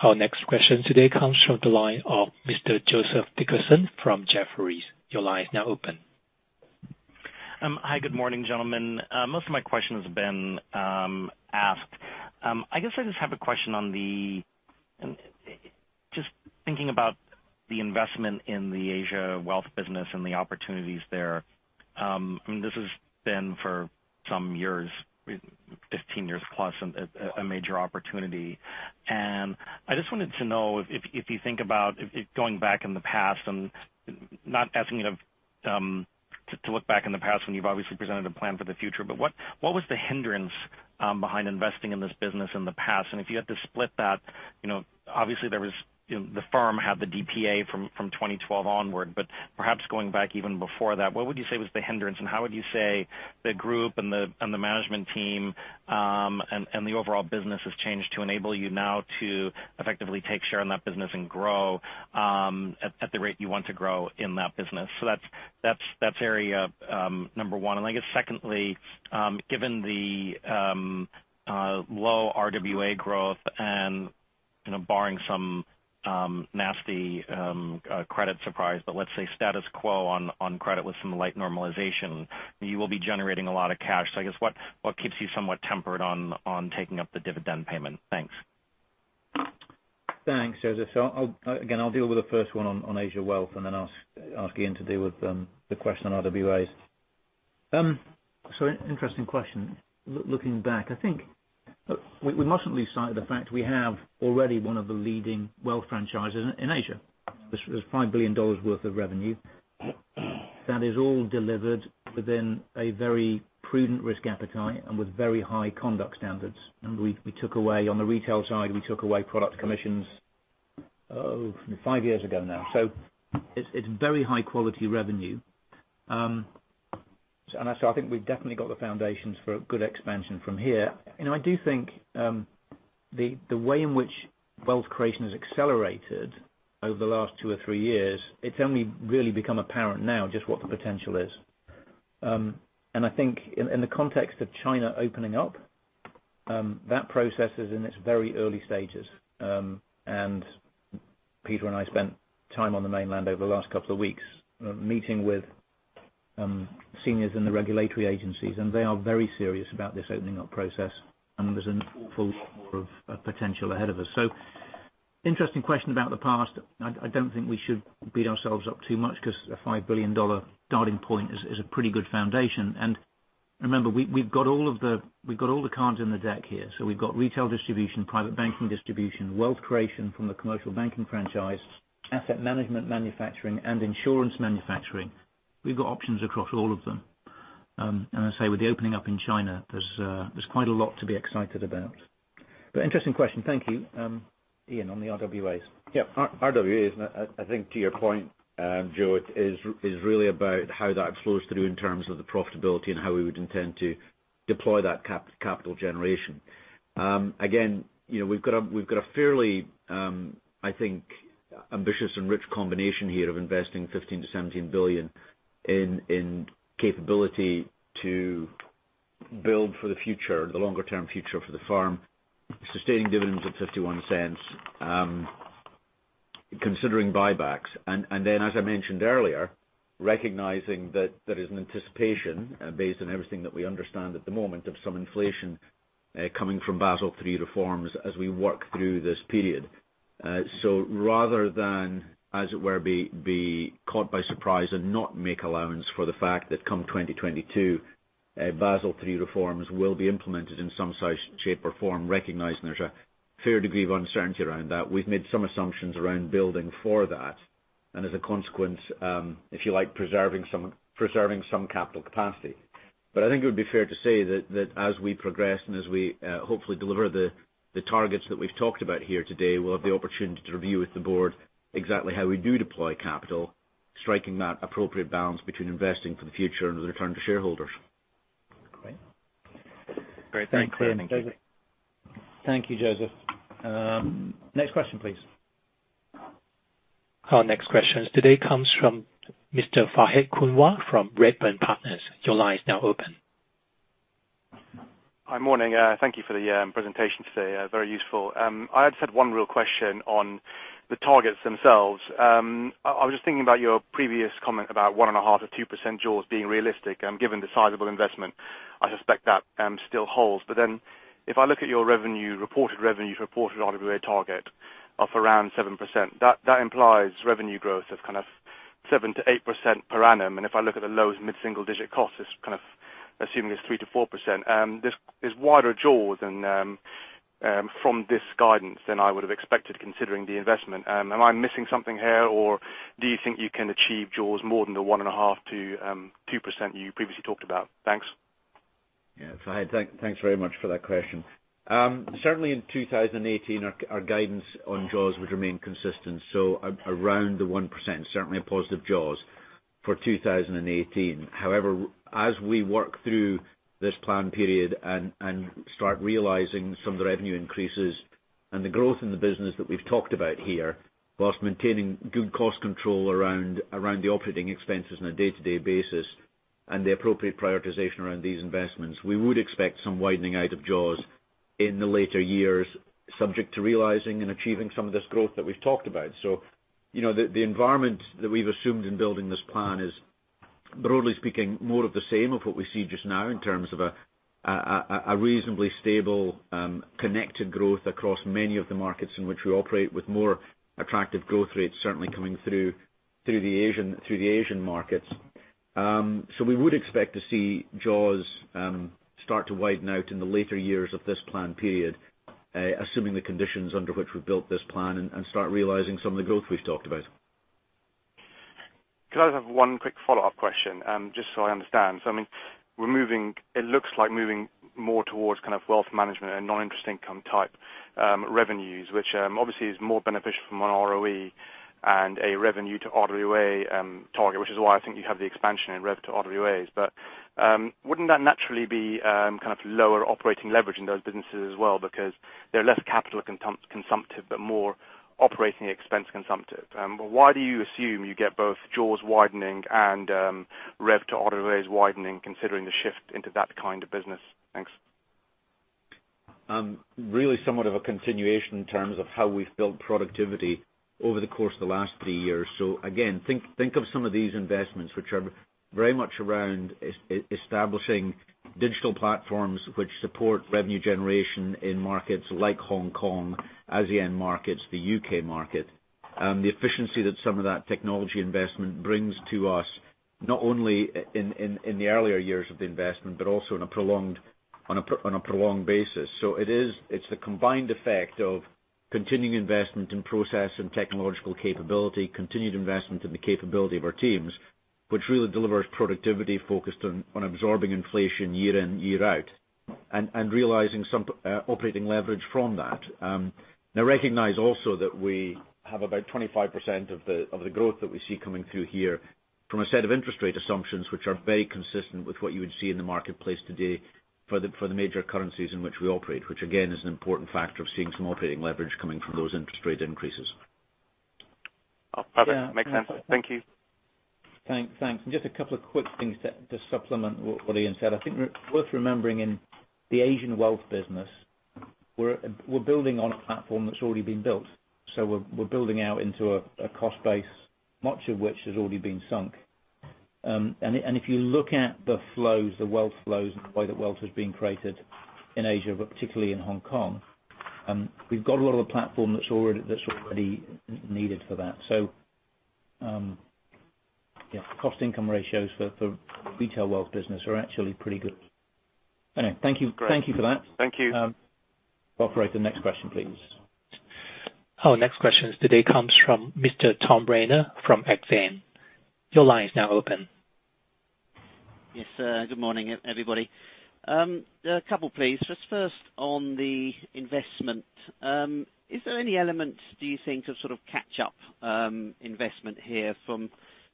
Our next question today comes from the line of Mr. Joseph Dickerson from Jefferies. Your line is now open. Hi. Good morning, gentlemen. Most of my question has been asked. I guess I just have a question on thinking about the investment in the Asia wealth business and the opportunities there. This has been for some years, 15 years plus, a major opportunity. I just wanted to know if you think about going back in the past and not asking you to look back in the past when you've obviously presented a plan for the future, but what was the hindrance behind investing in this business in the past? If you had to split that, obviously the firm had the DPA from 2012 onward, but perhaps going back even before that, what would you say was the hindrance and how would you say the group and the management team, and the overall business has changed to enable you now to effectively take share in that business and grow at the rate you want to grow in that business? That's area number 1. I guess secondly, given the low RWA growth and, barring some nasty credit surprise, but let's say status quo on credit with some light normalization, you will be generating a lot of cash. I guess what keeps you somewhat tempered on taking up the dividend payment? Thanks. Thanks, Joseph. Again, I'll deal with the first one on Asia wealth and then ask Iain to deal with the question on RWAs. Interesting question. Looking back, I think we mustn't lose sight of the fact we have already one of the leading wealth franchises in Asia. There's GBP 5 billion worth of revenue that is all delivered within a very prudent risk appetite and with very high conduct standards. We took away, on the retail side, we took away product commissions 5 years ago now. It's very high quality revenue. I think we've definitely got the foundations for a good expansion from here. I do think the way in which wealth creation has accelerated over the last two or three years, it's only really become apparent now just what the potential is. I think in the context of China opening up, that process is in its very early stages. Peter and I spent time on the mainland over the last couple of weeks meeting with seniors in the regulatory agencies, and they are very serious about this opening up process, and there's an awful lot more of potential ahead of us. Interesting question about the past. I don't think we should beat ourselves up too much because a GBP 5 billion starting point is a pretty good foundation. Remember, we've got all the cards in the deck here. We've got retail distribution, private banking distribution, wealth creation from the commercial banking franchise, asset management manufacturing, and insurance manufacturing. We've got options across all of them. As I say, with the opening up in China, there's quite a lot to be excited about. Interesting question, thank you. Iain, on the RWAs. Yeah. RWAs, I think to your point, Joe, is really about how that flows through in terms of the profitability and how we would intend to deploy that capital generation. Again, we've got a fairly, I think, ambitious and rich combination here of investing 15 billion-17 billion in capability to build for the future, the longer-term future for the firm, sustaining dividends of 0.51, considering buybacks. As I mentioned earlier, recognizing that there is an anticipation based on everything that we understand at the moment of some inflation coming from Basel III reforms as we work through this period. Rather than, as it were, be caught by surprise and not make allowance for the fact that come 2022, Basel III reforms will be implemented in some shape or form, recognizing there's a fair degree of uncertainty around that. We've made some assumptions around building for that, as a consequence, if you like, preserving some capital capacity. I think it would be fair to say that as we progress and as we hopefully deliver the targets that we've talked about here today, we'll have the opportunity to review with the board exactly how we do deploy capital, striking that appropriate balance between investing for the future and the return to shareholders. Great. Great. Thanks, Iain. Thank you. Joseph. Thank you, Joseph. Next question, please. Our next question today comes from Mr. Fahad Kunwar from Redburn Partners. Your line is now open. Hi. Morning. Thank you for the presentation today. Very useful. I just had one real question on the targets themselves. I was just thinking about your previous comment about 1.5% to 2% jaws being realistic, and given the sizable investment, I suspect that still holds. If I look at your revenue, reported revenue to reported RWA target of around 7%, that implies revenue growth of kind of 7%-8% per annum. If I look at the lows, mid-single digit cost, it's kind of assuming it's 3%-4%. There's wider jaws from this guidance than I would have expected considering the investment. Am I missing something here or do you think you can achieve jaws more than the 1.5%-2% you previously talked about? Thanks. Yeah. Fahad, thanks very much for that question. Certainly in 2018 our guidance on jaws would remain consistent. Around the 1%, certainly a positive jaws for 2018. However, as we work through this plan period and start realizing some of the revenue increases and the growth in the business that we've talked about here, whilst maintaining good cost control around the operating expenses on a day-to-day basis and the appropriate prioritization around these investments, we would expect some widening out of jaws in the later years subject to realizing and achieving some of this growth that we've talked about. The environment that we've assumed in building this plan is, broadly speaking, more of the same of what we see just now in terms of a reasonably stable, connected growth across many of the markets in which we operate with more attractive growth rates certainly coming through the Asian markets. We would expect to see jaws start to widen out in the later years of this plan period, assuming the conditions under which we built this plan and start realizing some of the growth we've talked about. Could I have one quick follow-up question, just so I understand. It looks like moving more towards kind of wealth management and non-interest income type revenues, which obviously is more beneficial from an ROE and a revenue to RWA target, which is why I think you have the expansion in rev to RWAs. But wouldn't that naturally be kind of lower operating leverage in those businesses as well because they're less capital consumptive but more operating expense consumptive? Why do you assume you get both jaws widening and rev to RWAs widening considering the shift into that kind of business? Thanks. Really somewhat of a continuation in terms of how we've built productivity over the course of the last three years. Again, think of some of these investments, which are very much around establishing digital platforms which support revenue generation in markets like Hong Kong, ASEAN markets, the U.K. market. The efficiency that some of that technology investment brings to us, not only in the earlier years of the investment, but also on a prolonged basis. It's the combined effect of continuing investment in process and technological capability, continued investment in the capability of our teams, which really delivers productivity focused on absorbing inflation year in, year out and realizing some operating leverage from that. Recognize also that we have about 25% of the growth that we see coming through here from a set of interest rate assumptions which are very consistent with what you would see in the marketplace today for the major currencies in which we operate, which again is an important factor of seeing some operating leverage coming from those interest rate increases. Perfect. Makes sense. Thank you. Thanks. Just a couple of quick things to supplement what Iain said. I think worth remembering in the Asian wealth business, we're building on a platform that's already been built. We're building out into a cost base, much of which has already been sunk. If you look at the flows, the wealth flows and the way that wealth is being created in Asia, but particularly in Hong Kong, we've got a lot of the platform that's already needed for that. Cost income ratios for retail wealth business are actually pretty good. Anyway, thank you for that. Thank you. Operator, next question, please. Our next question today comes from Mr. Tom Rayner from Exane. Your line is now open. Yes. Good morning, everybody. A couple please. Just first on the investment. Is there any element do you think of sort of catch up investment here from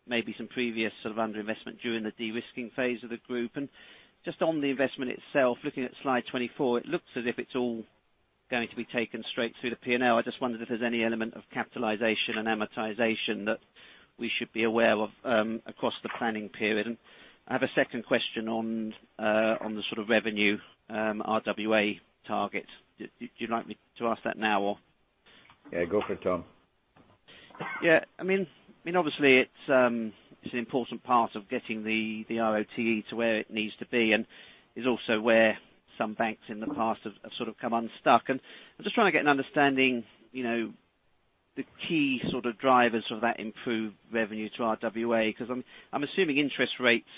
maybe some previous sort of under investment during the de-risking phase of the group? Just on the investment itself, looking at slide 24, it looks as if it's all going to be taken straight through the P&L. I just wondered if there's any element of capitalization and amortization that we should be aware of across the planning period. I have a second question on the sort of revenue RWA target. Do you like me to ask that now or Yeah, go for it, Tom. Yeah. Obviously it's an important part of getting the ROTE to where it needs to be and is also where some banks in the past have sort of come unstuck. I'm just trying to get an understanding the key sort of drivers of that improved revenue to RWA, because I'm assuming interest rates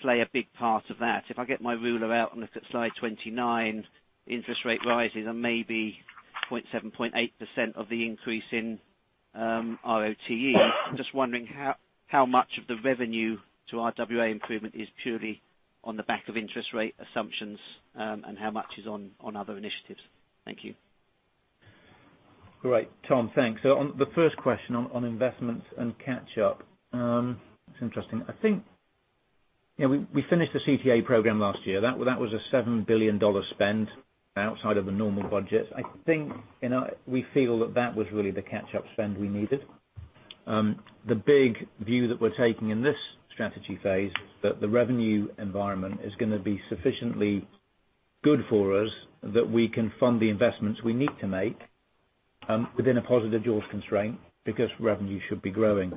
play a big part of that. If I get my ruler out and look at slide 29, interest rate rises are maybe 0.7%, 0.8% of the increase in ROTE. I'm just wondering how much of the revenue to RWA improvement is purely on the back of interest rate assumptions, and how much is on other initiatives. Thank you. Great. Tom, thanks. On the first question on investments and catch up. It's interesting. I think we finished the CTA program last year. That was a GBP 7 billion spend outside of the normal budget. I think we feel that that was really the catch up spend we needed. The big view that we're taking in this strategy phase is that the revenue environment is going to be sufficiently good for us that we can fund the investments we need to make within a positive jaws constraint because revenue should be growing.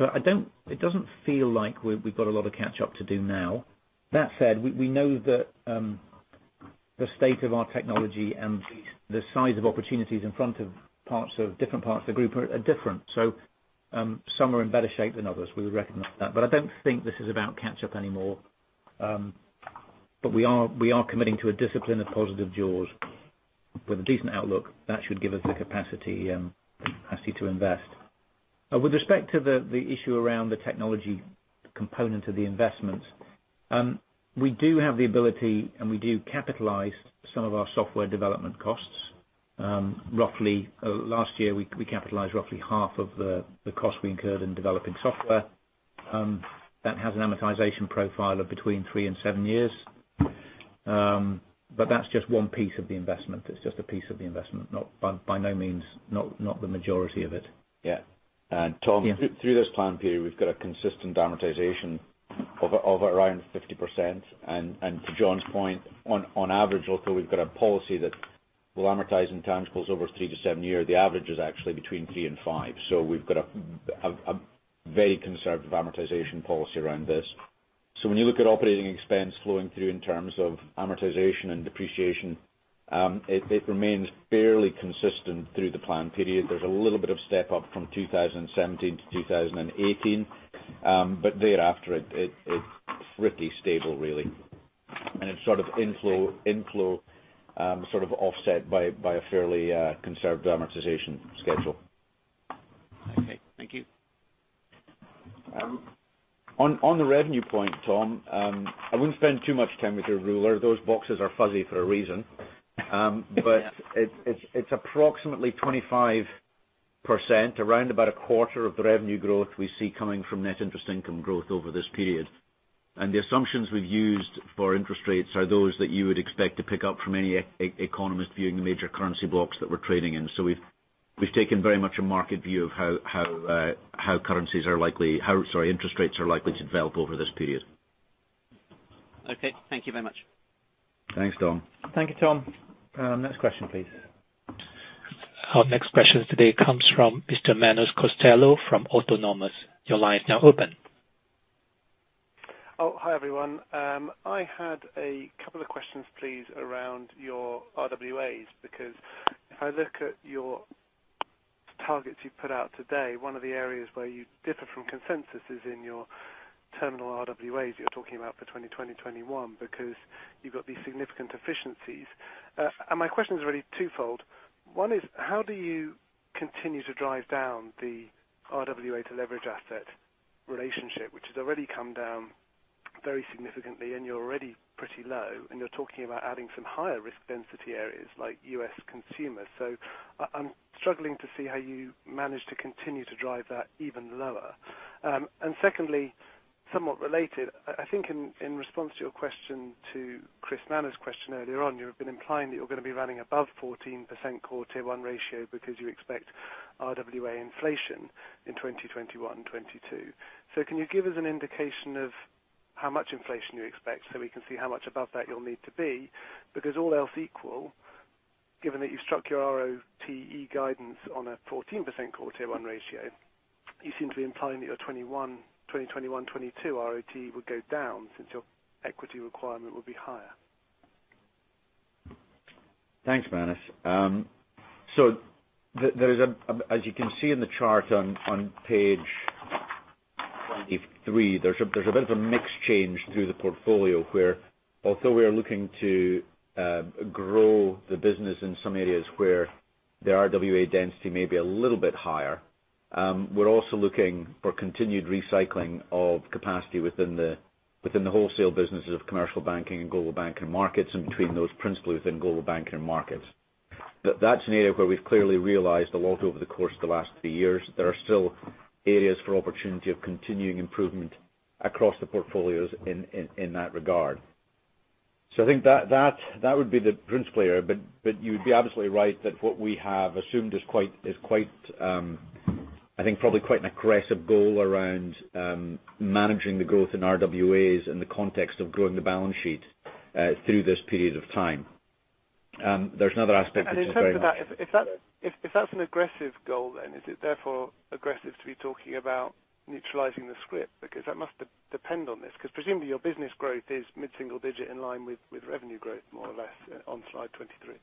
It doesn't feel like we've got a lot of catch up to do now. That said, we know that The state of our technology and the size of opportunities in front of different parts of the group are different. Some are in better shape than others. We recognize that, but I don't think this is about catch up anymore. We are committing to a discipline of positive jaws with a decent outlook. That should give us the capacity, I see, to invest. With respect to the issue around the technology component of the investments, we do have the ability, and we do capitalize some of our software development costs. Last year, we capitalized roughly half of the cost we incurred in developing software. That has an amortization profile of between three and seven years. That's just one piece of the investment. That's just a piece of the investment. By no means, not the majority of it. Yeah. Yeah. Tom, through this plan period, we've got a consistent amortization of around 50%. To John's point, on average, although we've got a policy that will amortize in tangibles over three to seven years, the average is actually between three and five. We've got a very conservative amortization policy around this. When you look at operating expense flowing through in terms of amortization and depreciation, it remains fairly consistent through the plan period. There's a little bit of step up from 2017 to 2018. Thereafter, it's pretty stable, really. It's inflow, sort of offset by a fairly conserved amortization schedule. Okay. Thank you. On the revenue point, Tom Rayner, I wouldn't spend too much time with your ruler. Those boxes are fuzzy for a reason. Yeah. It's approximately 25%, around about a quarter of the revenue growth we see coming from net interest income growth over this period. The assumptions we've used for interest rates are those that you would expect to pick up from any economist viewing the major currency blocks that we're trading in. We've taken very much a market view of how interest rates are likely to develop over this period. Okay. Thank you very much. Thanks, Tom Rayner. Thank you, Tom. Next question, please. Our next question today comes from Mr. Manus Costello from Autonomous. Your line is now open. Oh, hi, everyone. I had a couple of questions, please, around your RWAs, because if I look at your targets you put out today, one of the areas where you differ from consensus is in your terminal RWAs you're talking about for 2020, 2021, because you've got these significant efficiencies. My question is really twofold. One is, how do you continue to drive down the RWA to leverage asset relationship, which has already come down very significantly and you're already pretty low, and you're talking about adding some higher risk density areas like U.S. consumers. I'm struggling to see how you manage to continue to drive that even lower. Secondly, somewhat related, I think in response to your question to Chris Manners' question earlier on, you have been implying that you're going to be running above 14% core Tier 1 ratio because you expect RWA inflation in 2021 and 2022. Can you give us an indication of how much inflation you expect so we can see how much above that you'll need to be? Because all else equal, given that you've struck your ROTE guidance on a 14% core Tier 1 ratio, you seem to be implying that your 2021, 2022 ROTE would go down since your equity requirement will be higher. Thanks, Manus. As you can see in the chart on page 23, there's a bit of a mix change through the portfolio where although we are looking to grow the business in some areas where the RWA density may be a little bit higher, we're also looking for continued recycling of capacity within the wholesale businesses of Commercial Banking and Global Banking Markets, and between those principally within Global Banking Markets. That's an area where we've clearly realized a lot over the course of the last three years. There are still areas for opportunity of continuing improvement across the portfolios in that regard. I think that would be the principal area, but you'd be absolutely right that what we have assumed is, I think, probably quite an aggressive goal around managing the growth in RWAs in the context of growing the balance sheet through this period of time. There's another aspect which is very much- In terms of that, if that's an aggressive goal, is it therefore aggressive to be talking about neutralizing the scrip? Because that must depend on this, because presumably your business growth is mid-single digit in line with revenue growth, more or less on slide 23.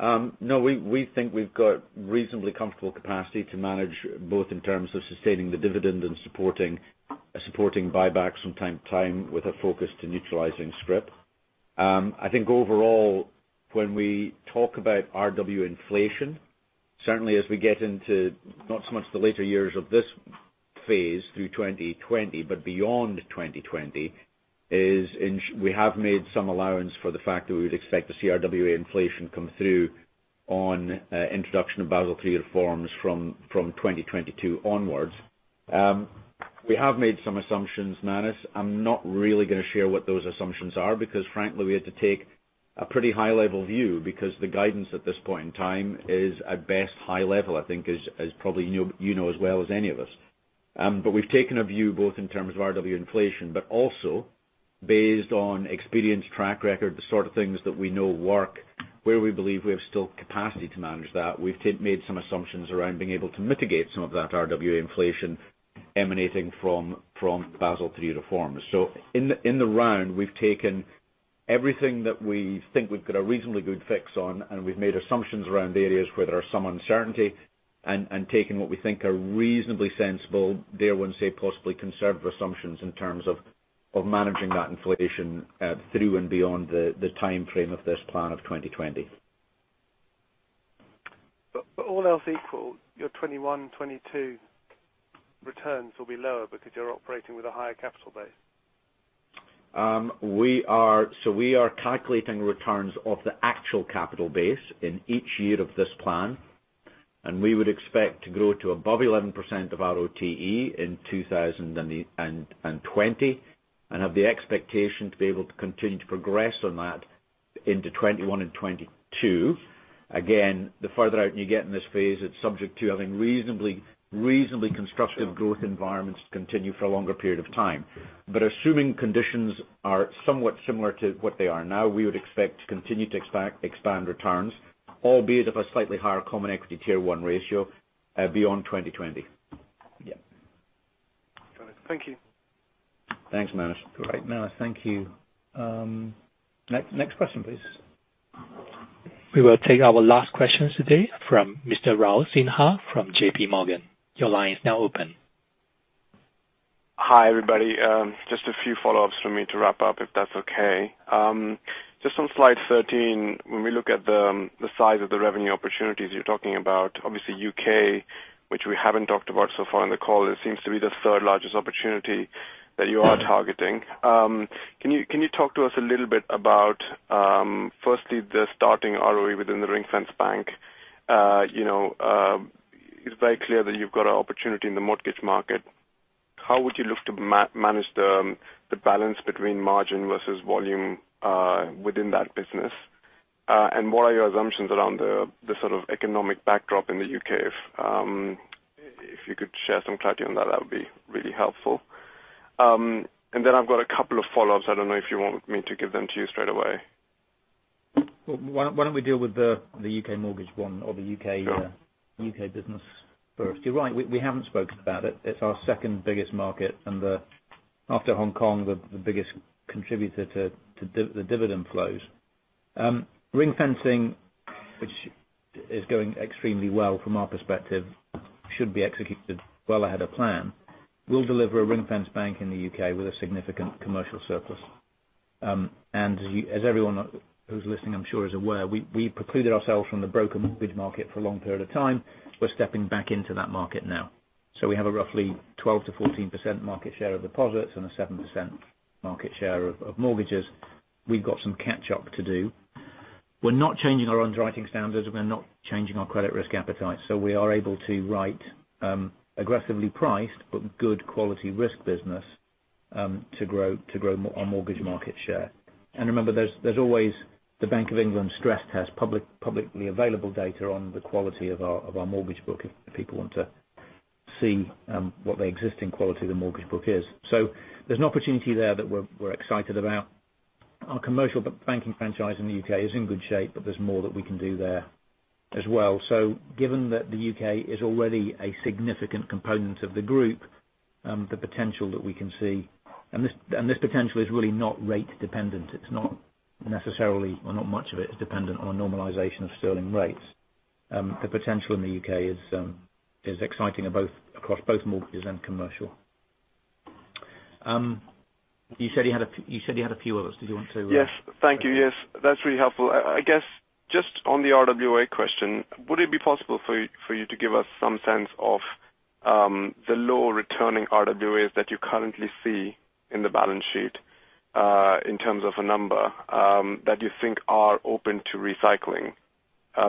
No. We think we've got reasonably comfortable capacity to manage both in terms of sustaining the dividend and supporting buybacks from time to time with a focus to neutralizing scrip. Overall, when we talk about RWA inflation, certainly as we get into not so much the later years of this phase through 2020, but beyond 2020, is we have made some allowance for the fact that we would expect to see RWA inflation come through on introduction of Basel III reforms from 2022 onwards. We have made some assumptions, Manus. I'm not really going to share what those assumptions are because frankly, we had to take a pretty high level view because the guidance at this point in time is at best high level, I think as probably you know as well as any of us. We've taken a view both in terms of RWA inflation, but also based on experienced track record, the sort of things that we know work, where we believe we have still capacity to manage that. We've made some assumptions around being able to mitigate some of that RWA inflation emanating from Basel III reforms. In the round, we've taken everything that we think we've got a reasonably good fix on, and we've made assumptions around the areas where there are some uncertainty, and taken what we think are reasonably sensible, dare I say, possibly conservative assumptions in terms of managing that inflation through and beyond the timeframe of this plan of 2020. All else equal, your 2021, 2022 returns will be lower because you're operating with a higher capital base. We are calculating returns of the actual capital base in each year of this plan, and we would expect to grow to above 11% of ROTE in 2020 and have the expectation to be able to continue to progress on that into 2021 and 2022. Again, the further out you get in this phase, it's subject to having reasonably constructive growth environments to continue for a longer period of time. Assuming conditions are somewhat similar to what they are now, we would expect to continue to expand returns, albeit of a slightly higher Common Equity Tier 1 ratio beyond 2020. Got it. Thank you. Thanks, Manus. Great, Manus. Thank you. Next question, please. We will take our last questions today from Mr. Rahul Sinha from J.P. Morgan. Your line is now open. Hi, everybody. Just a few follow-ups from me to wrap up, if that's okay. Just on slide 13, when we look at the size of the revenue opportunities you're talking about, obviously U.K., which we haven't talked about so far in the call, it seems to be the third largest opportunity that you are targeting. Can you talk to us a little bit about firstly, the starting ROE within the ring-fence bank? It's very clear that you've got an opportunity in the mortgage market. How would you look to manage the balance between margin versus volume within that business? What are your assumptions around the sort of economic backdrop in the U.K.? If you could share some clarity on that would be really helpful. I've got a couple of follow-ups. I don't know if you want me to give them to you straight away. Why don't we deal with the UK mortgage one or the UK- Sure UK business first. You're right, we haven't spoken about it. It's our second biggest market, and after Hong Kong, the biggest contributor to the dividend flows. Ring-fencing, which is going extremely well from our perspective, should be executed well ahead of plan. We'll deliver a ring-fence bank in the UK with a significant commercial surplus. As everyone who's listening, I'm sure is aware, we precluded ourselves from the broker mortgage market for a long period of time. We're stepping back into that market now. We have a roughly 12%-14% market share of deposits and a 7% market share of mortgages. We've got some catch up to do. We're not changing our underwriting standards, and we're not changing our credit risk appetite. We are able to write aggressively priced, but good quality risk business, to grow our mortgage market share. Remember, there's always the Bank of England stress test, publicly available data on the quality of our mortgage book if people want to see what the existing quality of the mortgage book is. There's an opportunity there that we're excited about. Our commercial banking franchise in the UK is in good shape, but there's more that we can do there as well. Given that the UK is already a significant component of the group, the potential that we can see. This potential is really not rate dependent. It's not necessarily, or not much of it is dependent on normalization of sterling rates. The potential in the UK is exciting across both mortgages and commercial. You said you had a few others. Did you want to- Yes. Thank you. Yes. That's really helpful. I guess, just on the RWA question, would it be possible for you to give us some sense of the lower returning RWAs that you currently see in the balance sheet, in terms of a number, that you think are open to recycling?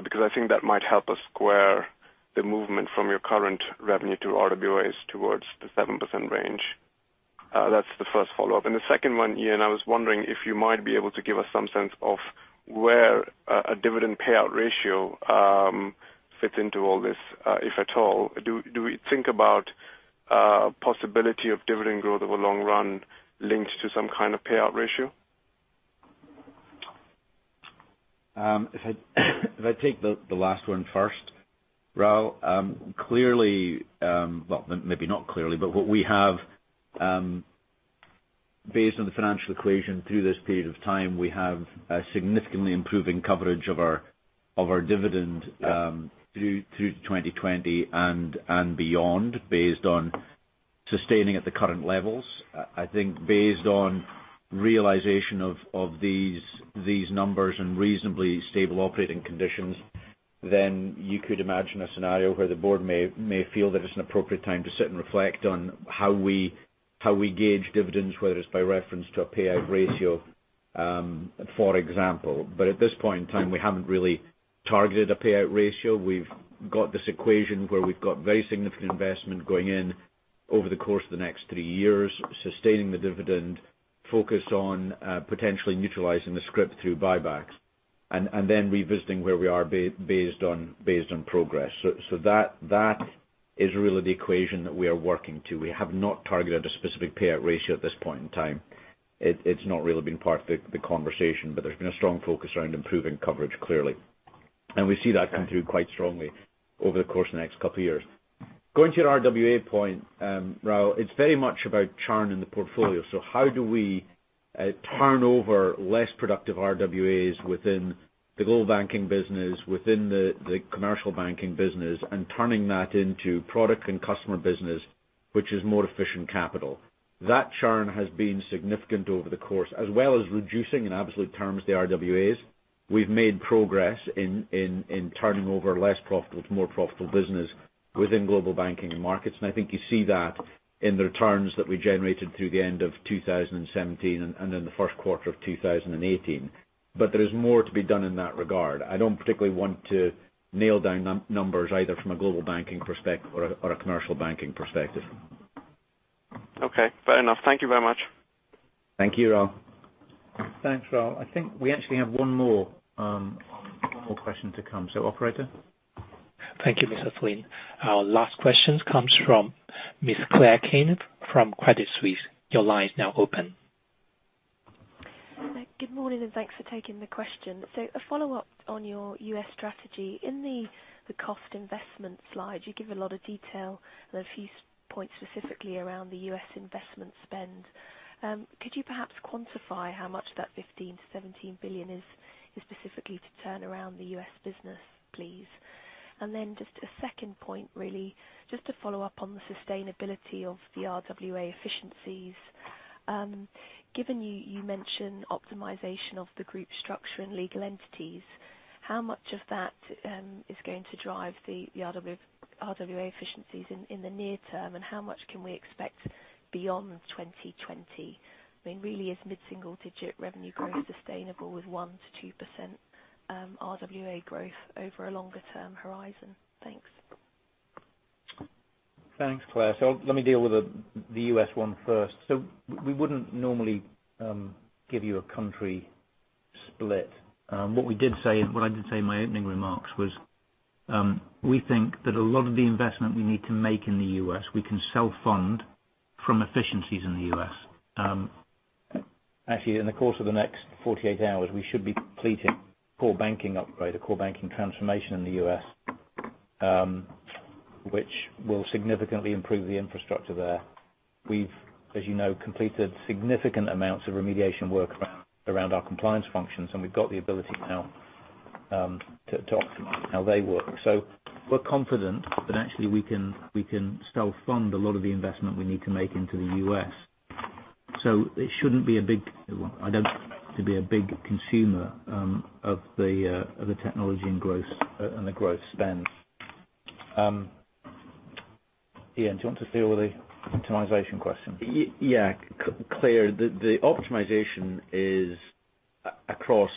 Because I think that might help us square the movement from your current revenue to RWAs towards the 7% range. That's the first follow-up. The second one, Iain, I was wondering if you might be able to give us some sense of where a dividend payout ratio fits into all this, if at all. Do we think about possibility of dividend growth over long run linked to some kind of payout ratio? If I take the last one first, Rahul. Clearly, well, maybe not clearly, but what we have based on the financial equation through this period of time, we have a significantly improving coverage of our dividend through to 2020 and beyond based on sustaining at the current levels. I think based on realization of these numbers and reasonably stable operating conditions, then you could imagine a scenario where the board may feel that it's an appropriate time to sit and reflect on how we gauge dividends, whether it's by reference to a payout ratio, for example. At this point in time, we haven't really targeted a payout ratio. We've got this equation where we've got very significant investment going in over the course of the next three years, sustaining the dividend, focus on potentially neutralizing the scrip through buybacks, and then revisiting where we are based on progress. That is really the equation that we are working to. We have not targeted a specific payout ratio at this point in time. It's not really been part of the conversation, but there's been a strong focus around improving coverage, clearly. We see that come through quite strongly over the course of the next couple of years. Going to your RWA point, Rahul, it's very much about churn in the portfolio. How do we turn over less productive RWAs within the global banking business, within the commercial banking business, and turning that into product and customer business, which is more efficient capital? That churn has been significant over the course, as well as reducing, in absolute terms, the RWAs. We've made progress in turning over less profitable to more profitable business within global banking and markets. I think you see that in the returns that we generated through the end of 2017 and in the first quarter of 2018. There is more to be done in that regard. I don't particularly want to nail down numbers, either from a global banking perspective or a commercial banking perspective. Okay. Fair enough. Thank you very much. Thank you, Rahul. Thanks, Rahul. I think we actually have one more question to come. Operator? Thank you, Mr. Flint. Our last question comes from Ms. Claire Kane from Credit Suisse. Your line is now open. Good morning. Thanks for taking the question. A follow-up on your U.S. strategy. In the cost investment slide, you give a lot of detail and a few points specifically around the U.S. investment spend. Could you perhaps quantify how much of that 15 billion-17 billion is specifically to turn around the U.S. business, please? Just a second point, really just to follow up on the sustainability of the RWA efficiencies. Given you mentioned optimization of the group structure and legal entities, how much of that is going to drive the RWA efficiencies in the near term, and how much can we expect beyond 2020? Really, is mid-single digit revenue growth sustainable with 1%-2% RWA growth over a longer-term horizon? Thanks. Thanks, Claire. Let me deal with the U.S. one first. We wouldn't normally give you a country split. What I did say in my opening remarks was, we think that a lot of the investment we need to make in the U.S. we can self-fund from efficiencies in the U.S. Actually, in the course of the next 48 hours, we should be completing core banking upgrade, a core banking transformation in the U.S., which will significantly improve the infrastructure there. We've, as you know, completed significant amounts of remediation work around our compliance functions, and we've got the ability now to optimize how they work. We're confident that actually we can self-fund a lot of the investment we need to make into the U.S. I don't expect it to be a big consumer of the technology and the growth spend. Iain, do you want to deal with the optimization question? Claire, the optimization is across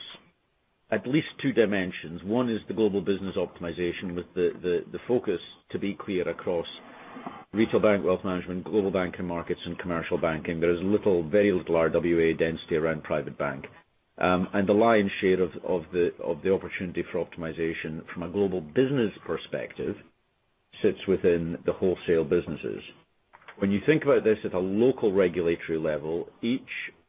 at least two dimensions. One is the global business optimization with the focus to be clear across retail bank, wealth management, global banking markets and commercial banking. There is very little RWA density around private bank. The lion's share of the opportunity for optimization from a global business perspective sits within the wholesale businesses. When you think about this at a local regulatory level, each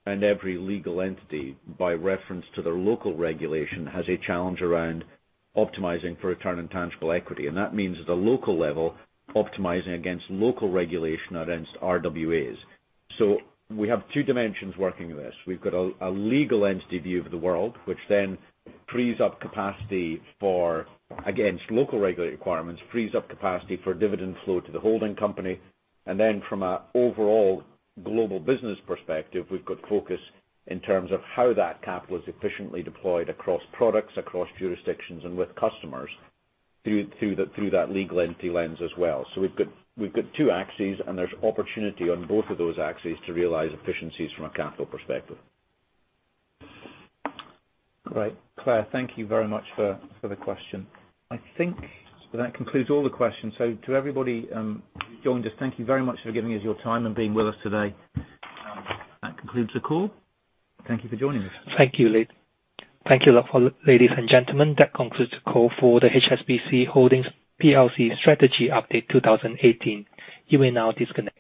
and every legal entity, by reference to their local regulation, has a challenge around optimizing for return on tangible equity. That means at a local level, optimizing against local regulation against RWAs. We have two dimensions working with this. We've got a legal entity view of the world, which then frees up capacity for, against local regulatory requirements, frees up capacity for dividend flow to the holding company. From an overall global business perspective, we've got focus in terms of how that capital is efficiently deployed across products, across jurisdictions, and with customers through that legal entity lens as well. We've got two axes, there's opportunity on both of those axes to realize efficiencies from a capital perspective. Great. Claire, thank you very much for the question. I think that concludes all the questions. To everybody who joined us, thank you very much for giving us your time and being with us today. That concludes the call. Thank you for joining us. Thank you, Iain. Thank you, ladies and gentlemen. That concludes the call for the HSBC Holdings plc Strategy Update 2018. You may now disconnect.